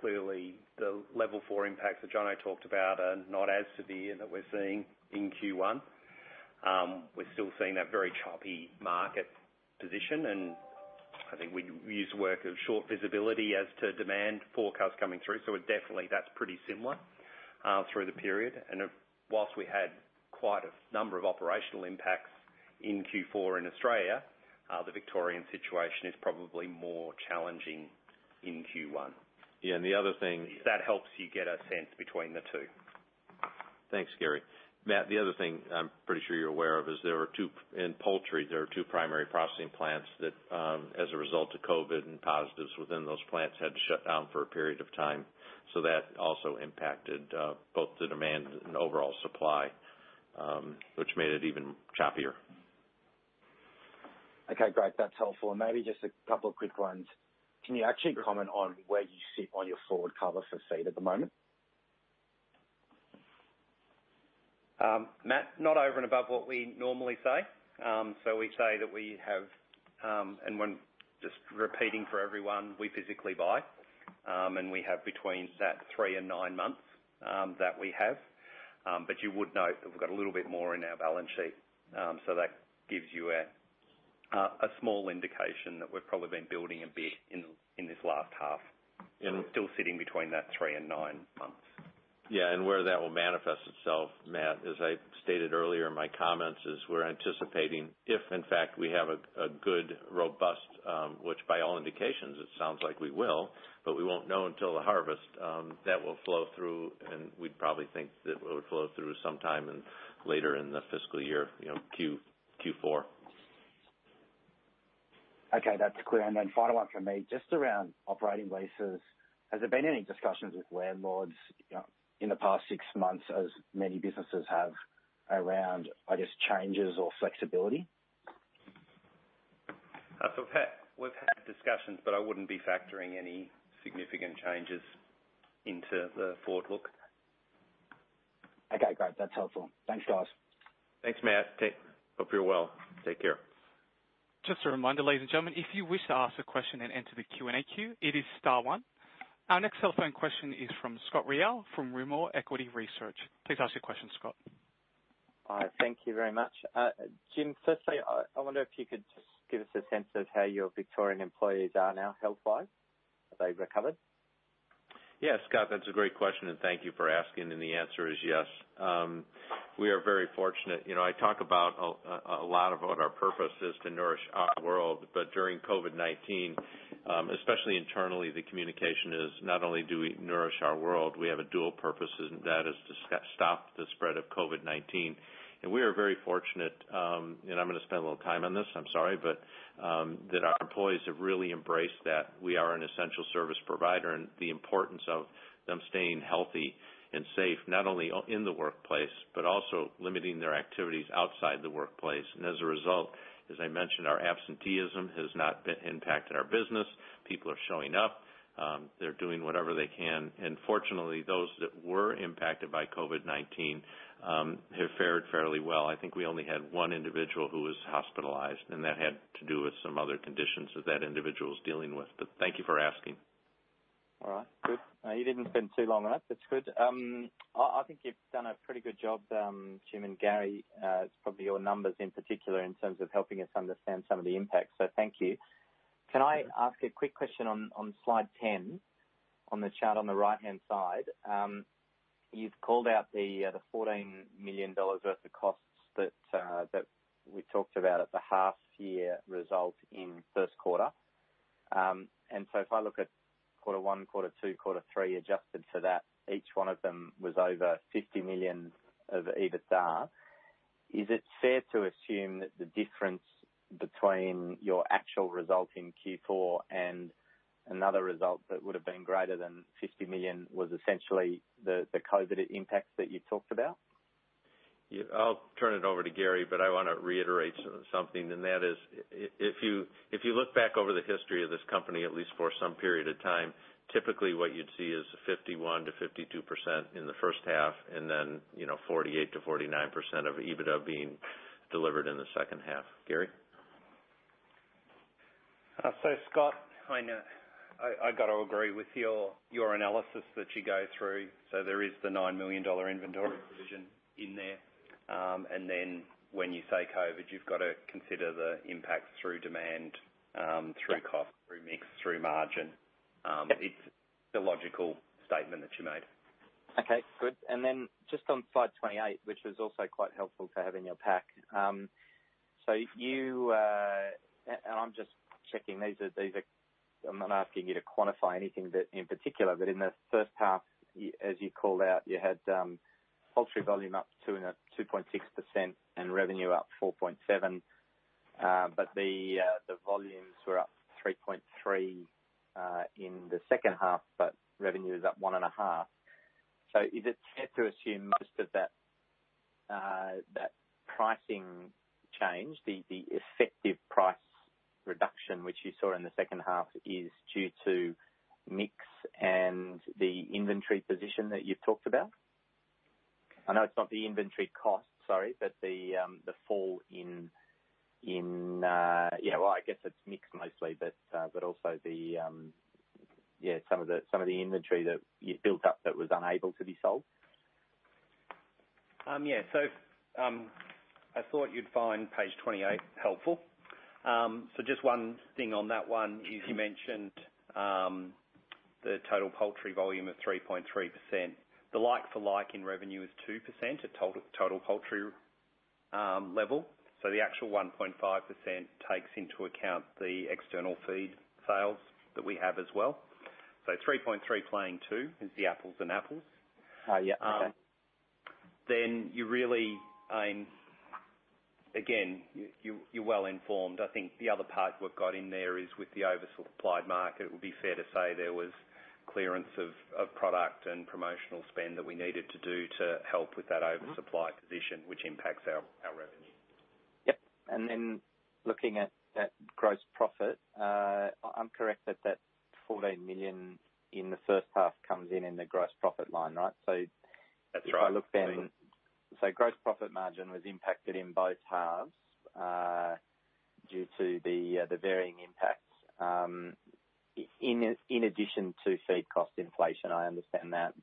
clearly the Alert Level 4 impacts that Jono talked about are not as severe that we're seeing in Q1. We're still seeing that very choppy market position, and I think we use the word short visibility as to demand forecasts coming through. Definitely, that's pretty similar through the period. Whilst we had quite a number of operational impacts in Q4 in Australia, the Victorian situation is probably more challenging in Q1. Yeah, and the other thing. That helps you get a sense between the two. Thanks, Gary. Matt, the other thing I'm pretty sure you're aware of is in poultry, there are two primary processing plants that, as a result of COVID and positives within those plants, had to shut down for a period of time. That also impacted both the demand and overall supply, which made it even choppier. Okay, great. That's helpful. Maybe just a couple of quick ones. Can you actually comment on where you sit on your forward cover for feed at the moment? Matt, not over and above what we normally say. We say that we have, and when just repeating for everyone, we physically buy, and we have between that three and nine months that we have. You would note that we've got a little bit more in our balance sheet. That gives you a small indication that we've probably been building a bit in this last half and we're still sitting between that three and nine months. Yeah, and where that will manifest itself, Matt, as I stated earlier in my comments, is we're anticipating if in fact we have a good, robust, which by all indications it sounds like we will, but we won't know until the harvest, that will flow through, and we'd probably think that it would flow through sometime in later in the fiscal year, Q4. Okay, that's clear. Final one from me, just around operating leases. Has there been any discussions with landlords in the past six months as many businesses have around, I guess, changes or flexibility? We've had discussions, but I wouldn't be factoring any significant changes into the forward look. Okay, great. That's helpful. Thanks, guys. Thanks, Matt. Hope you're well. Take care. Just a reminder, ladies and gentlemen, if you wish to ask a question and enter the Q&A queue, it is star one. Our next telephone question is from Scott Ryall from Rimor Equity Research. Please ask your question, Scott. All right. Thank you very much. Jim, firstly, I wonder if you could just give us a sense of how your Victorian employees are now, health-wise. Have they recovered? Scott, that's a great question, and thank you for asking, and the answer is yes. We are very fortunate. I talk about a lot about our purpose is to nourish our world, but during COVID-19, especially internally, the communication is not only do we nourish our world, we have a dual purpose, and that is to stop the spread of COVID-19. We are very fortunate, and I'm going to spend a little time on this, I'm sorry, but that our employees have really embraced that we are an essential service provider and the importance of them staying healthy and safe, not only in the workplace, but also limiting their activities outside the workplace. As a result, as I mentioned, our absenteeism has not impacted our business. People are showing up. They're doing whatever they can. Fortunately, those that were impacted by COVID-19 have fared fairly well. I think we only had one individual who was hospitalized, and that had to do with some other conditions that that individual's dealing with. Thank you for asking. All right, good. You didn't spend too long on it. That's good. I think you've done a pretty good job, Jim and Gary, probably your numbers in particular in terms of helping us understand some of the impacts. Thank you. Can I ask a quick question on slide 10, on the chart on the right-hand side? You've called out the 14 million dollars worth of costs that we talked about at the half-year result in the first quarter. If I look at quarter one, quarter two, quarter three, adjusted for that, each one of them was over 50 million of EBITDA. Is it fair to assume that the difference between your actual result in Q4 and another result that would have been greater than 50 million was essentially the COVID impacts that you talked about? I'll turn it over to Gary, but I want to reiterate something, and that is if you look back over the history of this company, at least for some period of time, typically what you'd see is a 51%-52% in the first half, and then 48%-49% of EBITDA being delivered in the second half. Gary? Scott, I know I got to agree with your analysis that you go through. There is the 9 million dollar inventory provision in there. When you say COVID, you've got to consider the impacts through demand, through cost, through mix, through margin. It's the logical statement that you made. Okay, good. Then just on slide 28, which was also quite helpful to have in your pack. I'm just checking, I'm not asking you to quantify anything in particular, but in the first half, as you called out, you had poultry volume up 2.6% and revenue up 4.7%. The volumes were up 3.3% in the second half. Revenue is up 1.5%. Is it fair to assume most of that pricing change, the effective price reduction which you saw in the second half, is due to mix and the inventory position that you've talked about? I know it's not the inventory cost, sorry, Well, I guess it's mix mostly, but also some of the inventory that you built up that was unable to be sold. I thought you'd find page 28 helpful. Just one thing on that one is you mentioned, the total poultry volume of 3.3%. The like-for-like in revenue is 2% at total poultry level. The actual 1.5% takes into account the external feed sales that we have as well, 3.3% comparing two is the apples and apples. You really, again, you're well informed. I think the other part we've got in there is with the oversupplied market, it would be fair to say there was clearance of product and promotional spend that we needed to do to help with that oversupply position, which impacts our revenue. Yep. Then looking at gross profit, I am correct that that 14 million in the first half comes in in the gross profit line, right? Gross profit margin was impacted in both halves due to the varying impacts in addition to feed cost inflation, I understand that.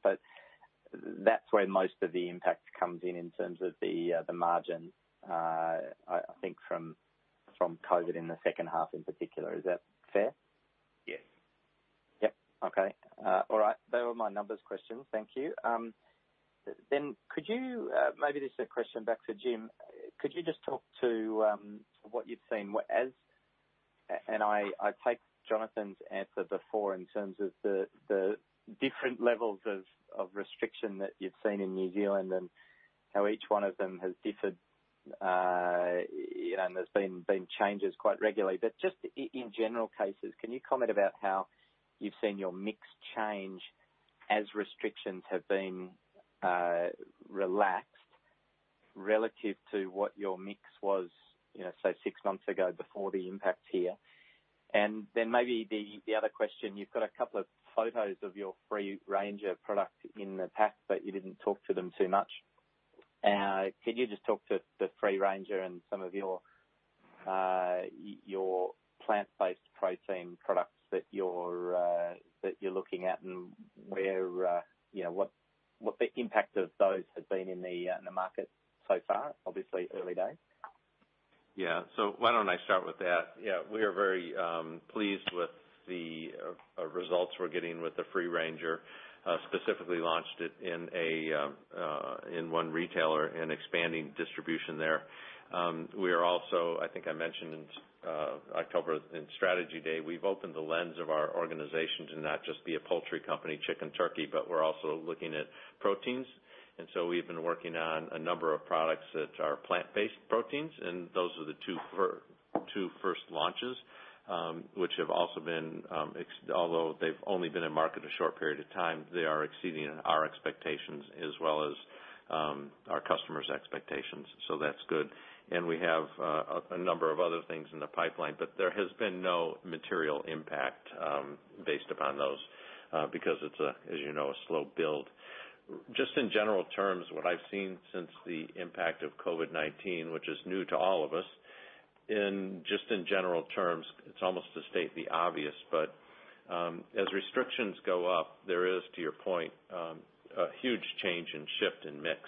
That's where most of the impact comes in terms of the margin, I think from COVID in the second half in particular. Is that fair? Yes. Yep. Okay. All right. They were my numbers questions. Thank you. Could you, maybe this is a question back for Jim, could you just talk to what you've seen as, and I take Jonathan's answer before in terms of the different levels of restriction that you've seen in New Zealand and how each one of them has differed, and there's been changes quite regularly. Just in general cases, can you comment about how you've seen your mix change as restrictions have been relaxed relative to what your mix was, say, six months ago before the impact here? Maybe the other question, you've got a couple of photos of your Free Ranger product in the pack, but you didn't talk to them too much. Can you just talk to Free Ranger and some of your plant-based protein products that you're looking at and what the impact of those have been in the market so far? Obviously early days. Why don't I start with that? We are very pleased with the results we're getting with The Free Ranger. Specifically launched it in one retailer and expanding distribution there. We are also, I think I mentioned in October, in Strategy Day, we've opened the lens of our organization to not just be a poultry company, chicken, turkey, but we're also looking at proteins. We've been working on a number of products that are plant-based proteins, and those are the two first launches, although they've only been in market a short period of time, they are exceeding our expectations as well as our customers' expectations. That's good. We have a number of other things in the pipeline, but there has been no material impact based upon those because it's a, as you know, a slow build. Just in general terms, what I've seen since the impact of COVID-19, which is new to all of us, and just in general terms, it's almost to state the obvious, but as restrictions go up, there is, to your point, a huge change in shift and mix.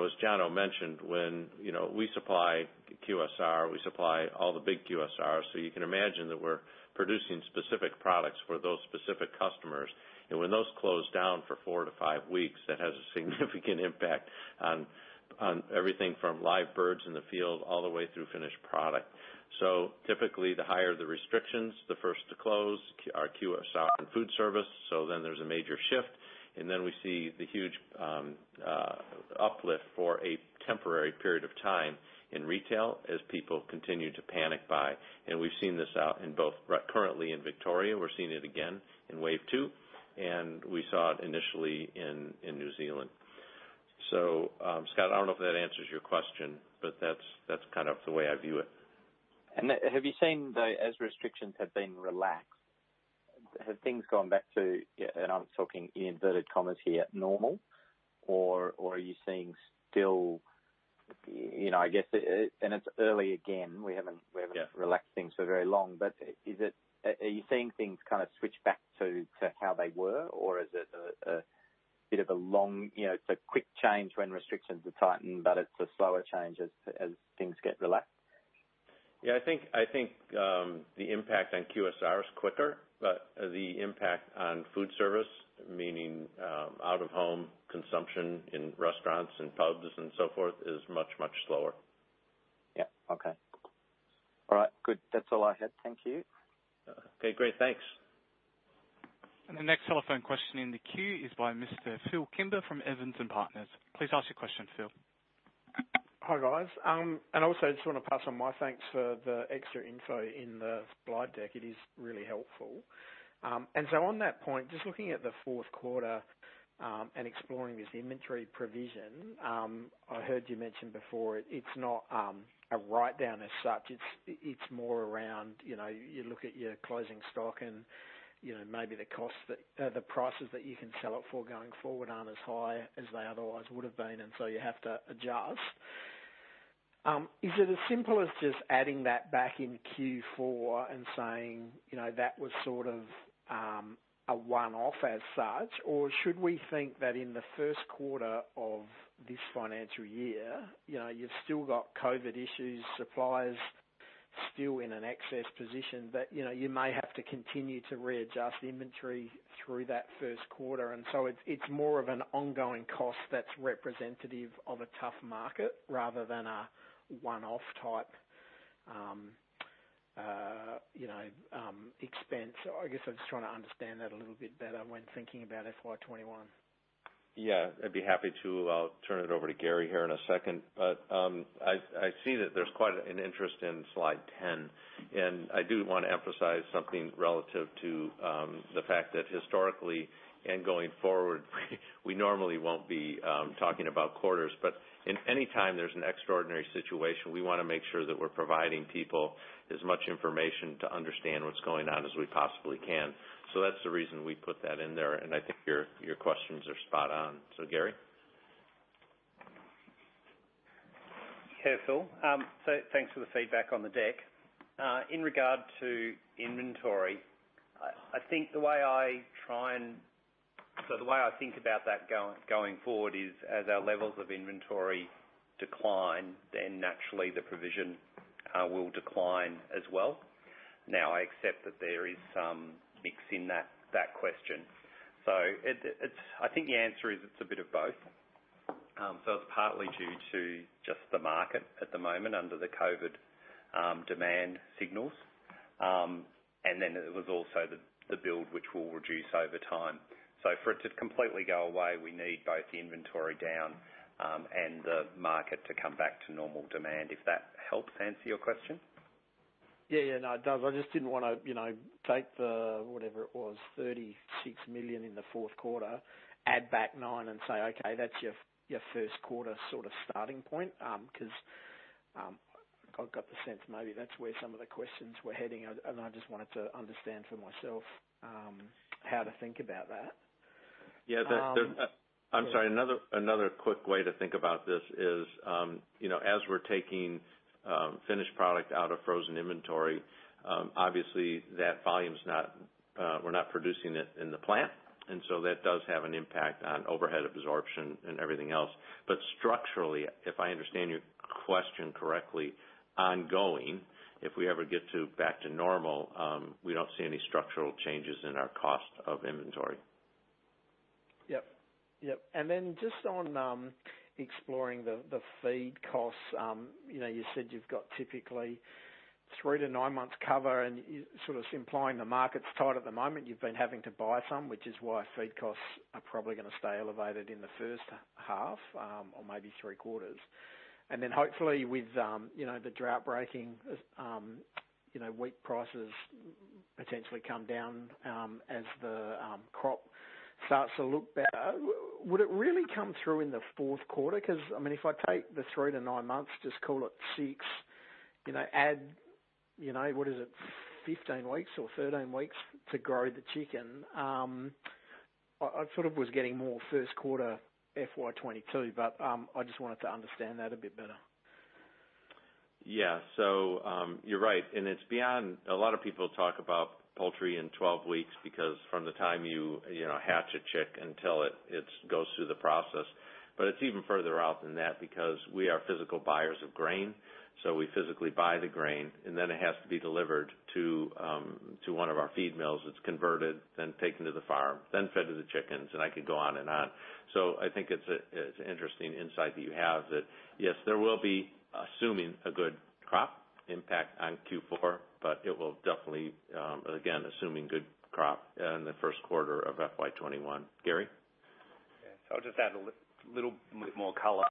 As Jono mentioned, when we supply QSR, we supply all the big QSRs. You can imagine that we're producing specific products for those specific customers. When those close down for four to five weeks, that has a significant impact on everything from live birds in the field all the way through finished product. Typically, the higher the restrictions, the first to close are QSR and food service. There's a major shift, and then we see the huge uplift for a temporary period of time in retail as people continue to panic buy. We've seen this out in both currently in Victoria, we're seeing it again in wave two, and we saw it initially in New Zealand. Scott, I don't know if that answers your question, but that's the way I view it. Have you seen, though, as restrictions have been relaxed, have things gone back to, and I'm talking in inverted commas here, "normal"? Are you seeing still, and it's early again, we haven't relaxed things for very long, but are you seeing things switch back to how they were? Is it a bit of a long, it's a quick change when restrictions are tightened, but it's a slower change as things get relaxed? Yeah, I think the impact on QSR is quicker, but the impact on food service, meaning out-of-home consumption in restaurants and pubs and so forth, is much, much slower. Yeah. Okay. All right, good. That's all I had. Thank you. Okay, great. Thanks. The next telephone question in the queue is by Mr. Phillip Kimber from Evans and Partners. Please ask your question, Phil. Hi, guys. Also, I just want to pass on my thanks for the extra info in the slide deck. It is really helpful. On that point, just looking at the fourth quarter, and exploring this inventory provision, I heard you mention before, it's not a write-down as such. It's more around, you look at your closing stock and maybe the prices that you can sell it for going forward aren't as high as they otherwise would've been, you have to adjust. Is it as simple as just adding that back in Q4 and saying, that was sort of a one-off as such? Should we think that in the first quarter of this financial year, you've still got COVID issues, suppliers still in an excess position, that you may have to continue to readjust inventory through that first quarter, and so it's more of an ongoing cost that's representative of a tough market rather than a one-off type expense? I guess I'm just trying to understand that a little bit better when thinking about FY 2021. Yeah. I'd be happy to. I'll turn it over to Gary here in a second. I see that there's quite an interest in slide 10, and I do want to emphasize something relative to the fact that historically and going forward, we normally won't be talking about quarters. In any time there's an extraordinary situation, we want to make sure that we're providing people as much information to understand what's going on as we possibly can. That's the reason we put that in there, and I think your questions are spot on. Gary? Okay, Phil. Thanks for the feedback on the deck. In regard to inventory, the way I think about that going forward is, as our levels of inventory decline, then naturally the provision will decline as well. Now, I accept that there is some mix in that question. I think the answer is, it's a bit of both. It's partly due to just the market at the moment under the COVID demand signals. It was also the build, which will reduce over time. For it to completely go away, we need both the inventory down and the market to come back to normal demand, if that helps answer your question. Yeah. No, it does. I just didn't want to take the, whatever it was, 36 million in the fourth quarter, add back nine and say, "Okay, that's your first quarter starting point." Because I got the sense maybe that's where some of the questions were heading, and I just wanted to understand for myself how to think about that. Yeah. I am sorry. Another quick way to think about this is, as we are taking finished product out of frozen inventory, obviously we are not producing it in the plant, that does have an impact on overhead absorption and everything else. Structurally, if I understand your question correctly, ongoing, if we ever get back to normal, we do not see any structural changes in our cost of inventory. Yep. Just on exploring the feed costs, you said you've got typically three to nine months cover, and you're sort of implying the market's tight at the moment. You've been having to buy some, which is why feed costs are probably going to stay elevated in the first half, or maybe three quarters. Hopefully with the drought breaking, wheat prices potentially come down as the crop starts to look better. Would it really come through in the fourth quarter? If I take the three to nine months, just call it six, add, what is it, 15 weeks or 13 weeks to grow the chicken. I sort of was getting more first quarter FY 2022, I just wanted to understand that a bit better. You're right. A lot of people talk about poultry in 12 weeks, because from the time you hatch a chick until it goes through the process. It's even further out than that because we are physical buyers of grain, we physically buy the grain and then it has to be delivered to one of our feed mills. It's converted, taken to the farm, fed to the chickens, I could go on and on. I think it's an interesting insight that you have that, yes, there will be, assuming a good crop, impact on Q4, but it will definitely, again, assuming good crop in the first quarter of FY 2021. Gary? Yeah. I'll just add a little bit more color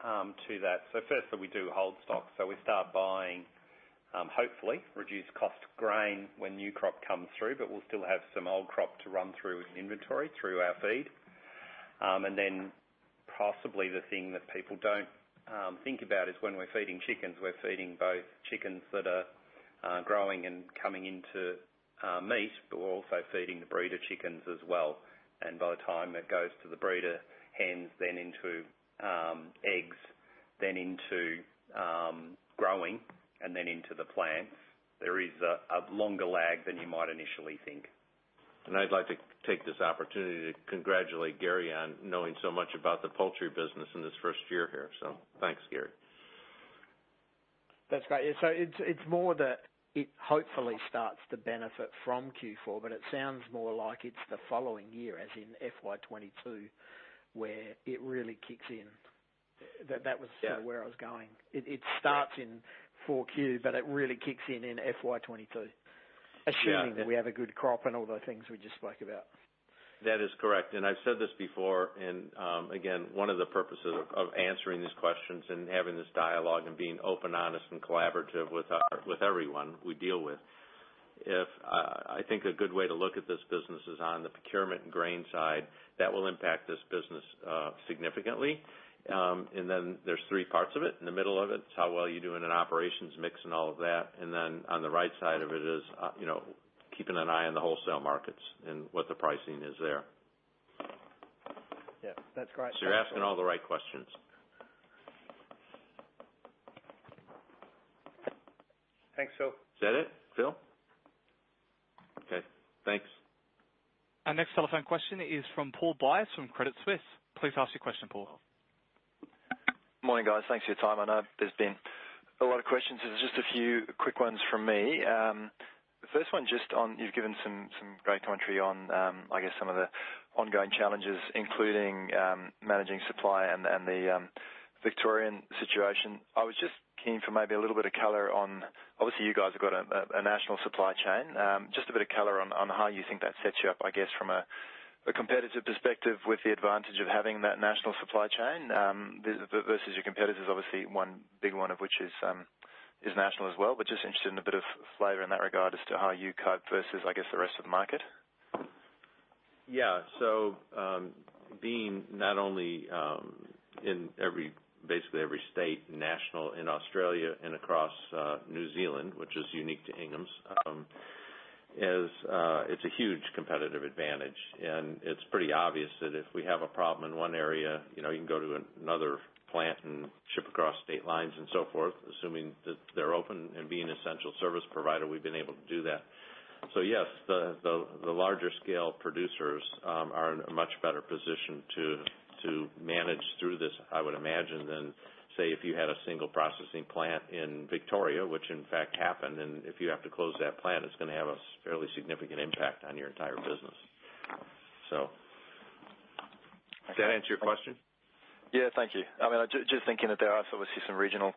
to that. First, that we do hold stock, we start buying, hopefully, reduced cost grain when new crop comes through. We'll still have some old crop to run through as inventory through our feed. Possibly the thing that people don't think about is when we're feeding chickens, we're feeding both chickens that are growing and coming into meat, we're also feeding the breeder chickens as well. By the time it goes to the breeder hens, then into eggs, then into growing, and then into the plants, there is a longer lag than you might initially think. I'd like to take this opportunity to congratulate Gary on knowing so much about the poultry business in his first year here. Thanks, Gary. That's great. Yeah, it's more that it hopefully starts to benefit from Q4, but it sounds more like it's the following year, as in FY 2022, where it really kicks in. That's where I was going. It starts in 4Q, but it really kicks in in FY 2022.That we have a good crop and all the things we just spoke about. That is correct. I've said this before, and again, one of the purposes of answering these questions and having this dialogue and being open, honest, and collaborative with everyone we deal with. I think a good way to look at this business is on the procurement and grain side. That will impact this business significantly. There's three parts of it. In the middle of it is how well you do in an operations mix and all of that. On the right side of it is keeping an eye on the wholesale markets and what the pricing is there. Yeah, that's great. You're asking all the right questions. Thanks, Phil. Is that it, Phil? Okay, thanks. Our next telephone question is from Paul Buys from Credit Suisse. Please ask your question, Paul. Morning, guys. Thanks for your time. I know there's been a lot of questions. There's just a few quick ones from me. The first one just on, you've given some great commentary on some of the ongoing challenges, including managing supply and the Victorian situation. I was just keen for maybe a little bit of color on, obviously, you guys have got a national supply chain. Just a bit of color on how you think that sets you up from a competitive perspective with the advantage of having that national supply chain versus your competitors, obviously one big one of which is national as well, but just interested in a bit of flavor in that regard as to how you cope versus the rest of the market? Yeah. Being not only in basically every state, national in Australia and across New Zealand, which is unique to Inghams, it's a huge competitive advantage. It's pretty obvious that if we have a problem in one area, you can go to another plant and ship across state lines and so forth, assuming that they're open and being an essential service provider, we've been able to do that. Yes, the larger scale producers are in a much better position to manage through this, I would imagine, than, say, if you had a single processing plant in Victoria, which in fact happened, and if you have to close that plant, it's going to have a fairly significant impact on your entire business. Does that answer your question? Yeah, thank you. I was just thinking that there are obviously some regional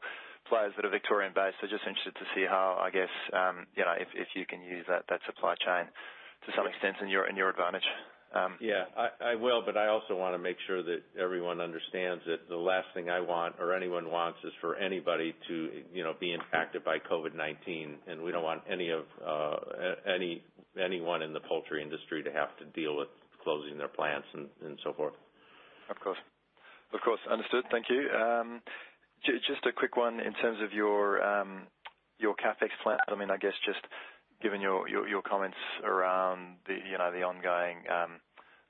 players that are Victorian-based. Just interested to see how if you can use that supply chain to some extent in your advantage. Yeah. I will, but I also want to make sure that everyone understands that the last thing I want or anyone wants is for anybody to be impacted by COVID-19. We don't want anyone in the poultry industry to have to deal with closing their plants and so forth. Of course. Understood. Thank you. Just a quick one in terms of your CapEx plan. Just given your comments around the ongoing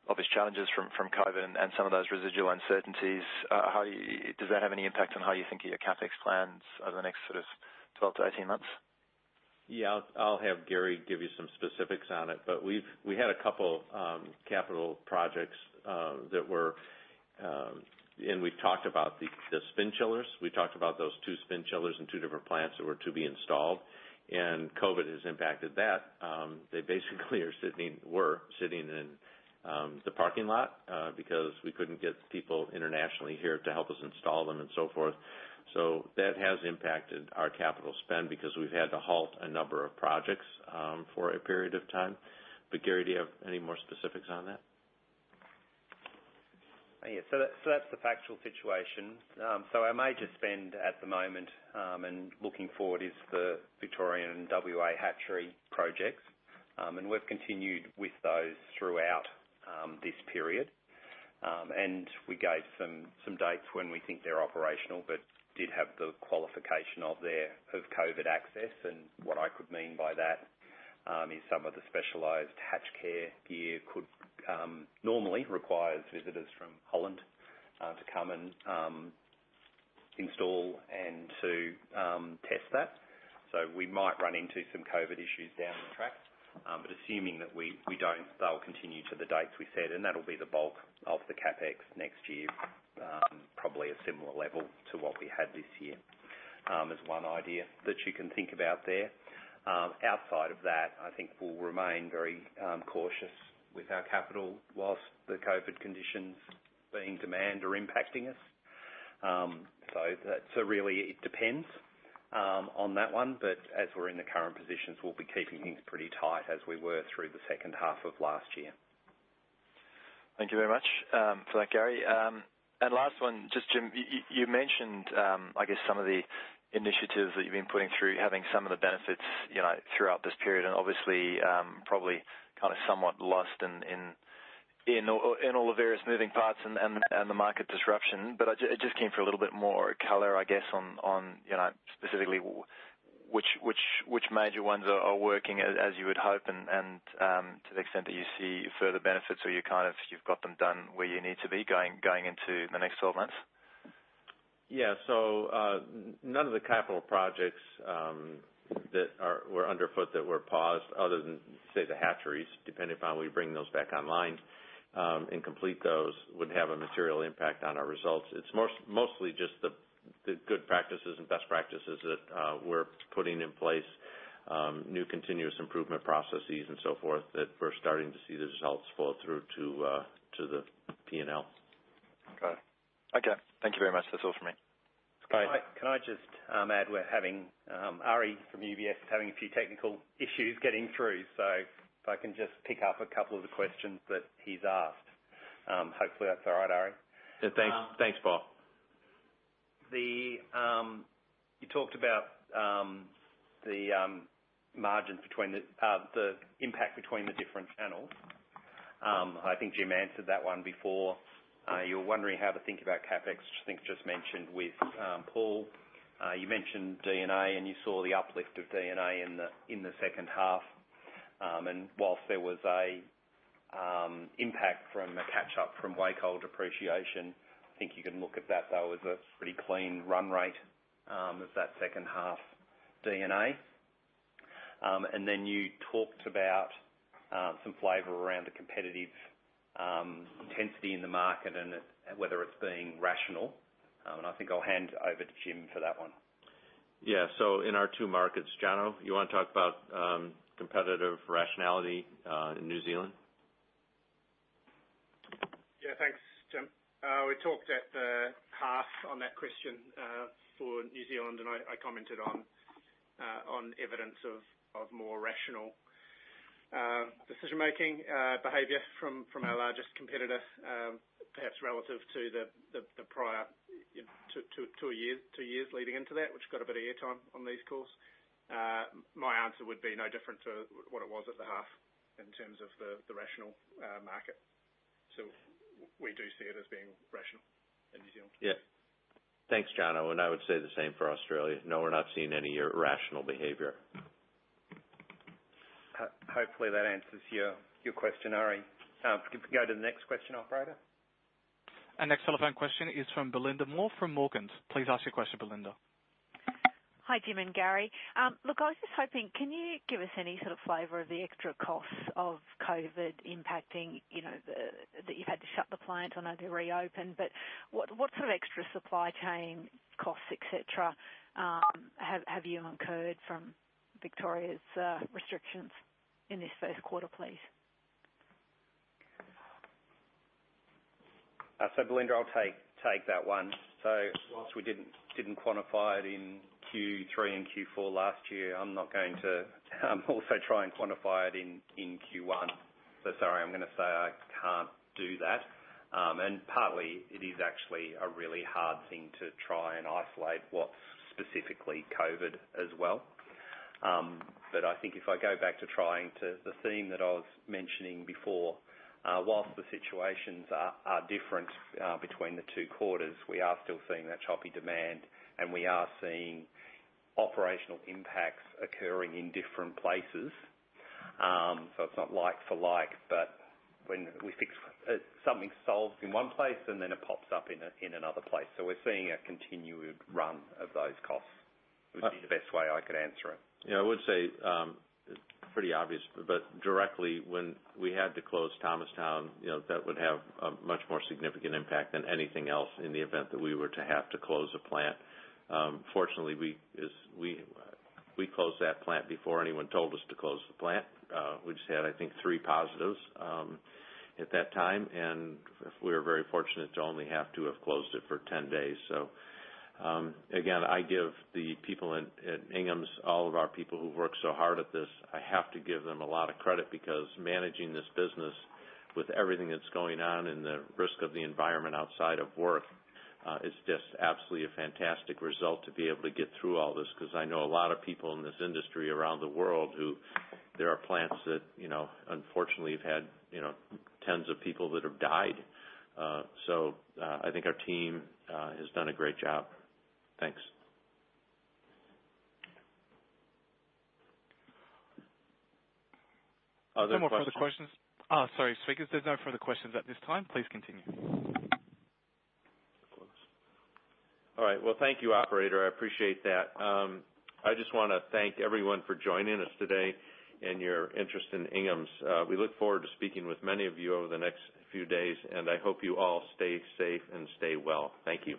obvious challenges from COVID and some of those residual uncertainties, does that have any impact on how you think of your CapEx plans over the next 12-18 months? Yeah. I'll have Gary give you some specifics on it. We had a couple capital projects, we've talked about the spin chillers. We talked about those two spin chillers in two different plants that were to be installed. COVID has impacted that. They basically were sitting in the parking lot because we couldn't get people internationally here to help us install them and so forth. That has impacted our capital spend because we've had to halt a number of projects for a period of time. Gary, do you have any more specifics on that? That's the factual situation. Our major spend at the moment, and looking forward, is the Victorian W.A. hatchery projects. We've continued with those throughout this period. We gave some dates when we think they're operational, but did have the qualification of their COVID access. What I could mean by that is some of the specialized HatchCare gear normally requires visitors from Holland to come and install and to test that. Assuming that we don't, they'll continue to the dates we said, and that'll be the bulk of the CapEx next year, probably a similar level to what we had this year, is one idea that you can think about there. Outside of that, I think we'll remain very cautious with our capital whilst the COVID conditions being demand are impacting us. Really, it depends on that one. As we're in the current positions, we'll be keeping things pretty tight as we were through the second half of last year. Thank you very much for that, Gary. Last one, just Jim, you mentioned some of the initiatives that you've been putting through, having some of the benefits throughout this period and obviously, probably somewhat lost in all the various moving parts and the market disruption. I just came for a little bit more color, I guess on specifically which major ones are working as you would hope and to the extent that you see further benefits or you've got them done where you need to be going into the next 12 months? None of the capital projects that were underfoot that were paused, other than, say, the hatcheries, depending upon we bring those back online and complete those, would have a material impact on our results. It's mostly just the good practices and best practices that we're putting in place, new continuous improvement processes and so forth, that we're starting to see the results flow through to the P&L. Okay. Thank you very much. That's all for me. It's okay. Can I just add, Ari from UBS is having a few technical issues getting through, so if I can just pick up a couple of the questions that he's asked. Hopefully, that's all right, Ari? Yeah. Thanks, Paul. You talked about the impact between the different channels. I think Jim answered that one before. You were wondering how to think about CapEx, which I think just mentioned with Paul. You mentioned D&A, and you saw the uplift of D&A in the second half. Whilst there was a impact from a catch-up from Wacol depreciation, I think you can look at that, though, as a pretty clean run rate of that second half D&A. You talked about some flavor around the competitive intensity in the market and whether it's being rational, and I think I'll hand over to Jim for that one. Yeah. In our two markets, Jono, you want to talk about competitive rationality in New Zealand? Yeah, thanks, Jim. We talked at the half on that question for New Zealand, and I commented on evidence of more rational decision-making behavior from our largest competitor, perhaps relative to the prior two years leading into that, which got a bit of air time on these calls. My answer would be no different to what it was at the half in terms of the rational market. We do see it as being rational in New Zealand. Yeah. Thanks, Jono, and I would say the same for Australia. No, we're not seeing any irrational behavior. Hopefully, that answers your question, Ari. Could we go to the next question, operator? Our next telephone question is from Belinda Moore from Morgans. Please ask your question, Belinda. Hi, Jim and Gary. Look, I was just hoping, can you give us any sort of flavor of the extra costs of COVID impacting, that you've had to shut the plant and had to reopen? What sort of extra supply chain costs, et cetera, have you incurred from Victoria's restrictions in this first quarter, please? Belinda, I'll take that one. Whilst we didn't quantify it in Q3 and Q4 last year, I'm not going to also try and quantify it in Q1. Sorry, I'm going to say I can't do that. Partly, it is actually a really hard thing to try and isolate what's specifically COVID as well. I think if I go back to trying to the theme that I was mentioning before, whilst the situations are different between the two quarters, we are still seeing that choppy demand, and we are seeing operational impacts occurring in different places. It's not like for like, but something solves in one place, and then it pops up in another place. We're seeing a continued run of those costs, would be the best way I could answer it. Yeah, I would say, it's pretty obvious, but directly, when we had to close Thomastown, that would have a much more significant impact than anything else in the event that we were to have to close a plant. Fortunately, we closed that plant before anyone told us to close the plant. We just had, I think, three positives at that time, and we were very fortunate to only have to have closed it for 10 days. Again, I give the people at Inghams, all of our people who work so hard at this, I have to give them a lot of credit because managing this business with everything that's going on and the risk of the environment outside of work, is just absolutely a fantastic result to be able to get through all this. I know a lot of people in this industry around the world who there are plants that unfortunately have had tens of people that have died. I think our team has done a great job. Thanks. Are there more questions? No more further questions. Sorry, speakers. There's no further questions at this time. Please continue. All right. Well, thank you, operator. I appreciate that. I just want to thank everyone for joining us today and your interest in Inghams. We look forward to speaking with many of you over the next few days, and I hope you all stay safe and stay well. Thank you.